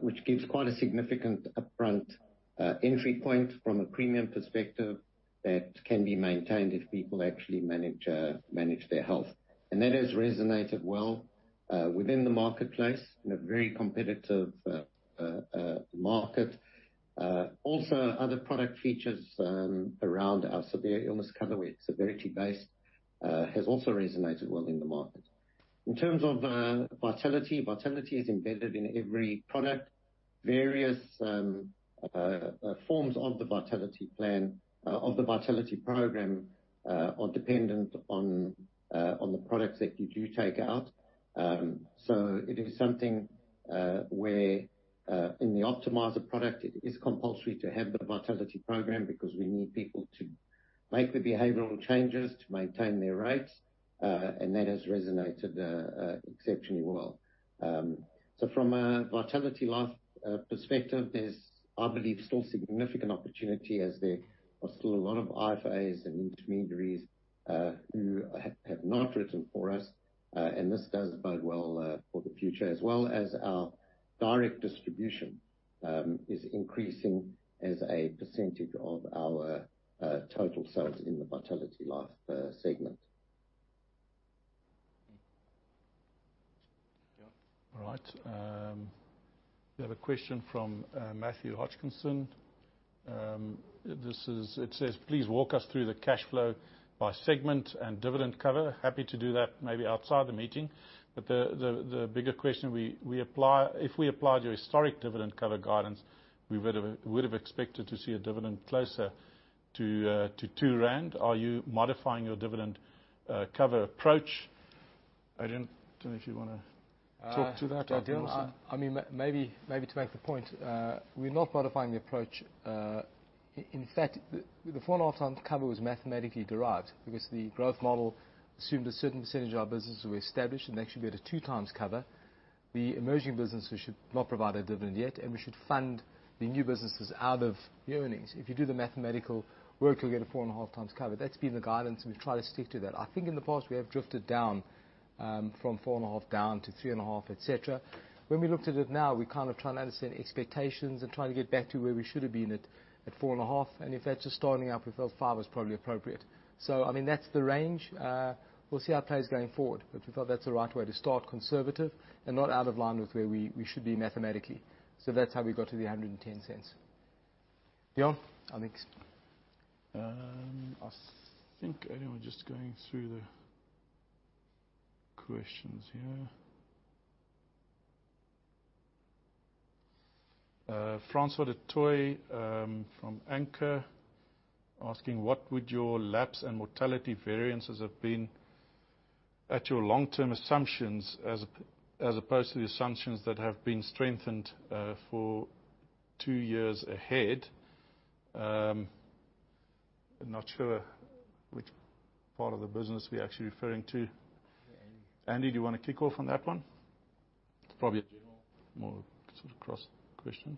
which gives quite a significant upfront, entry point from a premium perspective that can be maintained if people actually manage their health. And that has resonated well, within the marketplace, in a very competitive, market. Also, other product features, around our severe illness cover, where it's severity-based, has also resonated well in the market. In terms of, Vitality, Vitality is embedded in every product. Various, forms of the Vitality plan, of the Vitality program, are dependent on, on the products that you do take out. It is something where, in the optimizer product, it is compulsory to have the Vitality program, because we need people to make the behavioral changes to maintain their rates, and that has resonated exceptionally well. From a Vitality Life perspective, there's, I believe, still significant opportunity, as there are still a lot of IFAs and intermediaries who have not written for us. This does bode well for the future, as well as our direct distribution is increasing as a percentage of our total sales in the Vitality Life segment. All right, we have a question from Matthew Hodgkinson. This is it says, "Please walk us through the cash flow by segment and dividend cover." Happy to do that, maybe outside the meeting, but the bigger question we apply. If we applied your historic dividend cover guidance, we would have expected to see a dividend closer to 2 rand. Are you modifying your dividend cover approach? I don't know if you wanna talk to that, Adrian. I mean, maybe to make the point, we're not modifying the approach. In fact, the 4.5x cover was mathematically derived, because the growth model assumed a certain percentage of our business was established and actually be at a 2x cover. The emerging businesses should not provide a dividend yet, and we should fund the new businesses out of the earnings. If you do the mathematical work, you'll get a 4.5x cover. That's been the guidance, and we've tried to stick to that. I think in the past we have drifted down from 4.5, down to 3.5, et cetera. When we looked at it now, we kind of trying to understand expectations and trying to get back to where we should have been at, at 4.5, and if that's just starting up, we felt 5 was probably appropriate. I mean, that's the range. We'll see how it plays going forward. We thought that's the right way to start conservative and not out of line with where we should be mathematically. That's how we got to the 1.10. Deon, over to you. I think I know, we're just going through the questions here. Francois du Toit from Anchor asking: What would your lapse and mortality variances have been at your long-term assumptions, as opposed to the assumptions that have been strengthened for two years ahead? I'm not sure which part of the business we're actually referring to. Andy? Andy, do you want to kick off on that one? It's probably a more sort of cross question.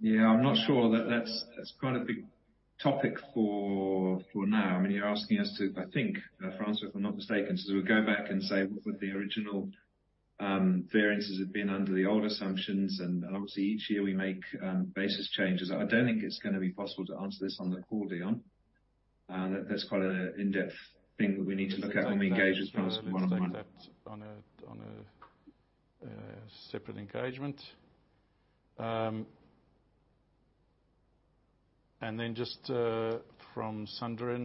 Yeah. I'm not sure that that's quite a big topic for now. I mean, you're asking us to, I think, Francois, if I'm not mistaken, so we go back and say, what would the original variances have been under the old assumptions? And obviously, each year we make basis changes. I don't think it's gonna be possible to answer this on the call, Deon. That's quite an in-depth thing that we need to look at and engage with Francois one-on-one. Take that on a separate engagement. And then just from Sundra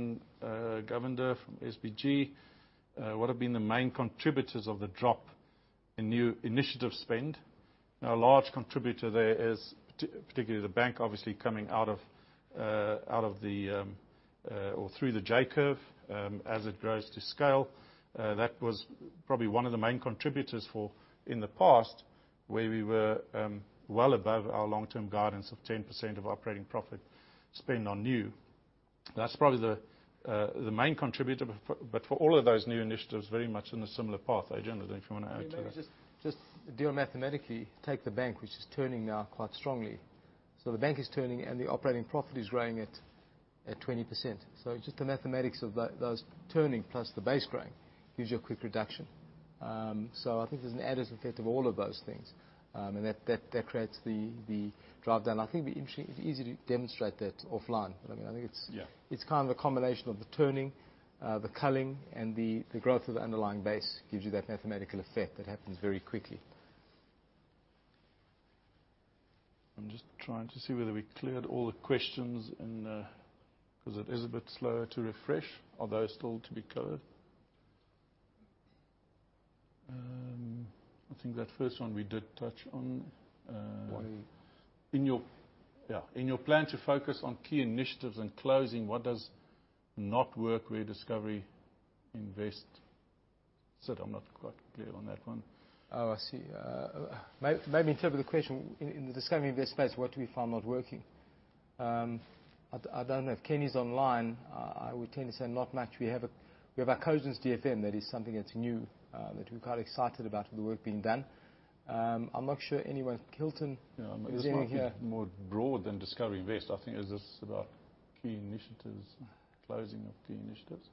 Govender from SBG: What have been the main contributors of the drop in new initiative spend? Now, a large contributor there is particularly the bank, obviously coming out of or through the J-curve. As it grows to scale, that was probably one of the main contributors in the past, where we were well above our long-term guidance of 10% of operating profit spend on new. That's probably the main contributor, but for all of those new initiatives, very much in a similar path. Adrian, I don't know if you want to add to that. Maybe just, just Deon, mathematically, take the bank, which is turning now quite strongly. The bank is turning and the operating profit is growing at 20%. Just the mathematics of those turning plus the base growing gives you a quick reduction. I think there's an additive effect of all of those things, and that creates the drop down. I think it'd be interesting, easy to demonstrate that offline. I mean, I think Yeah. It's kind of a combination of the turning, the culling and the growth of the underlying base gives you that mathematical effect that happens very quickly. I'm just trying to see whether we cleared all the questions in the... Because it is a bit slower to refresh. Are those still to be covered? I think that first one we did touch on. One. Yeah. In your plan to focus on key initiatives and closing, what does not work where Discovery Invest? So I'm not quite clear on that one. Oh, I see. Maybe interpret the question in the Discovery Invest space, what we found not working. I don't know if Kenny's online. I would tend to say not much. We have our cousins DFM. That is something that's new that we're quite excited about the work being done. I'm not sure anyone. Hylton is in here. More broad than Discovery Invest, I think, is this about key initiatives, closing of key initiatives.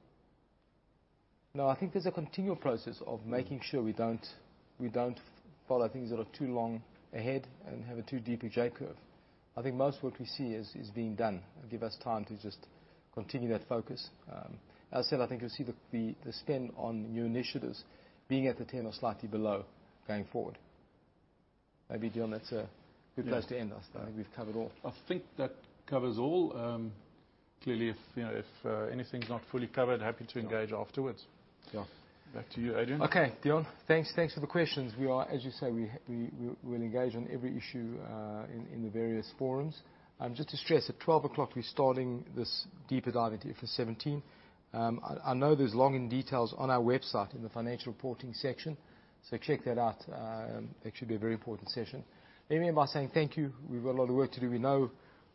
No, I think there's a continual process of making sure we don't follow things that are too long ahead and have a too deep a J-curve. I think most work we see is being done. It'll give us time to just continue that focus. As I said, I think you'll see the spend on new initiatives being at the 10 or slightly below going forward. Maybe, Deon, that's a good place to end. Yeah. I think we've covered all. I think that covers all. Clearly, you know, if anything's not fully covered, happy to engage afterwards. Yeah. Back to you, Adrian. Okay, Deon. Thanks, thanks for the questions. We are. As you say, we'll engage on every issue in the various forums. Just to stress, at 12 o'clock, we're starting this deep dive into IFRS 17. I know there's lots of details on our website, in the financial reporting section, so check that out. It should be a very important session. Let me end by saying thank you. We've got a lot of work to do. We know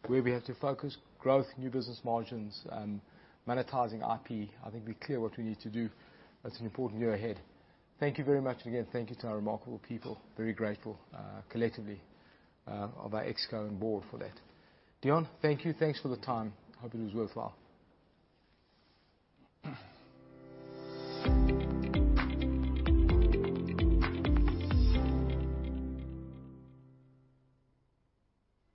where we have to focus: growth, new business margins, and monetizing IP. I think we're clear what we need to do. That's an important year ahead. Thank you very much again. Thank you to our remarkable people. Very grateful, collectively, of our ex co and board for that. Deon, thank you. Thanks for the time. Hope it was worthwhile.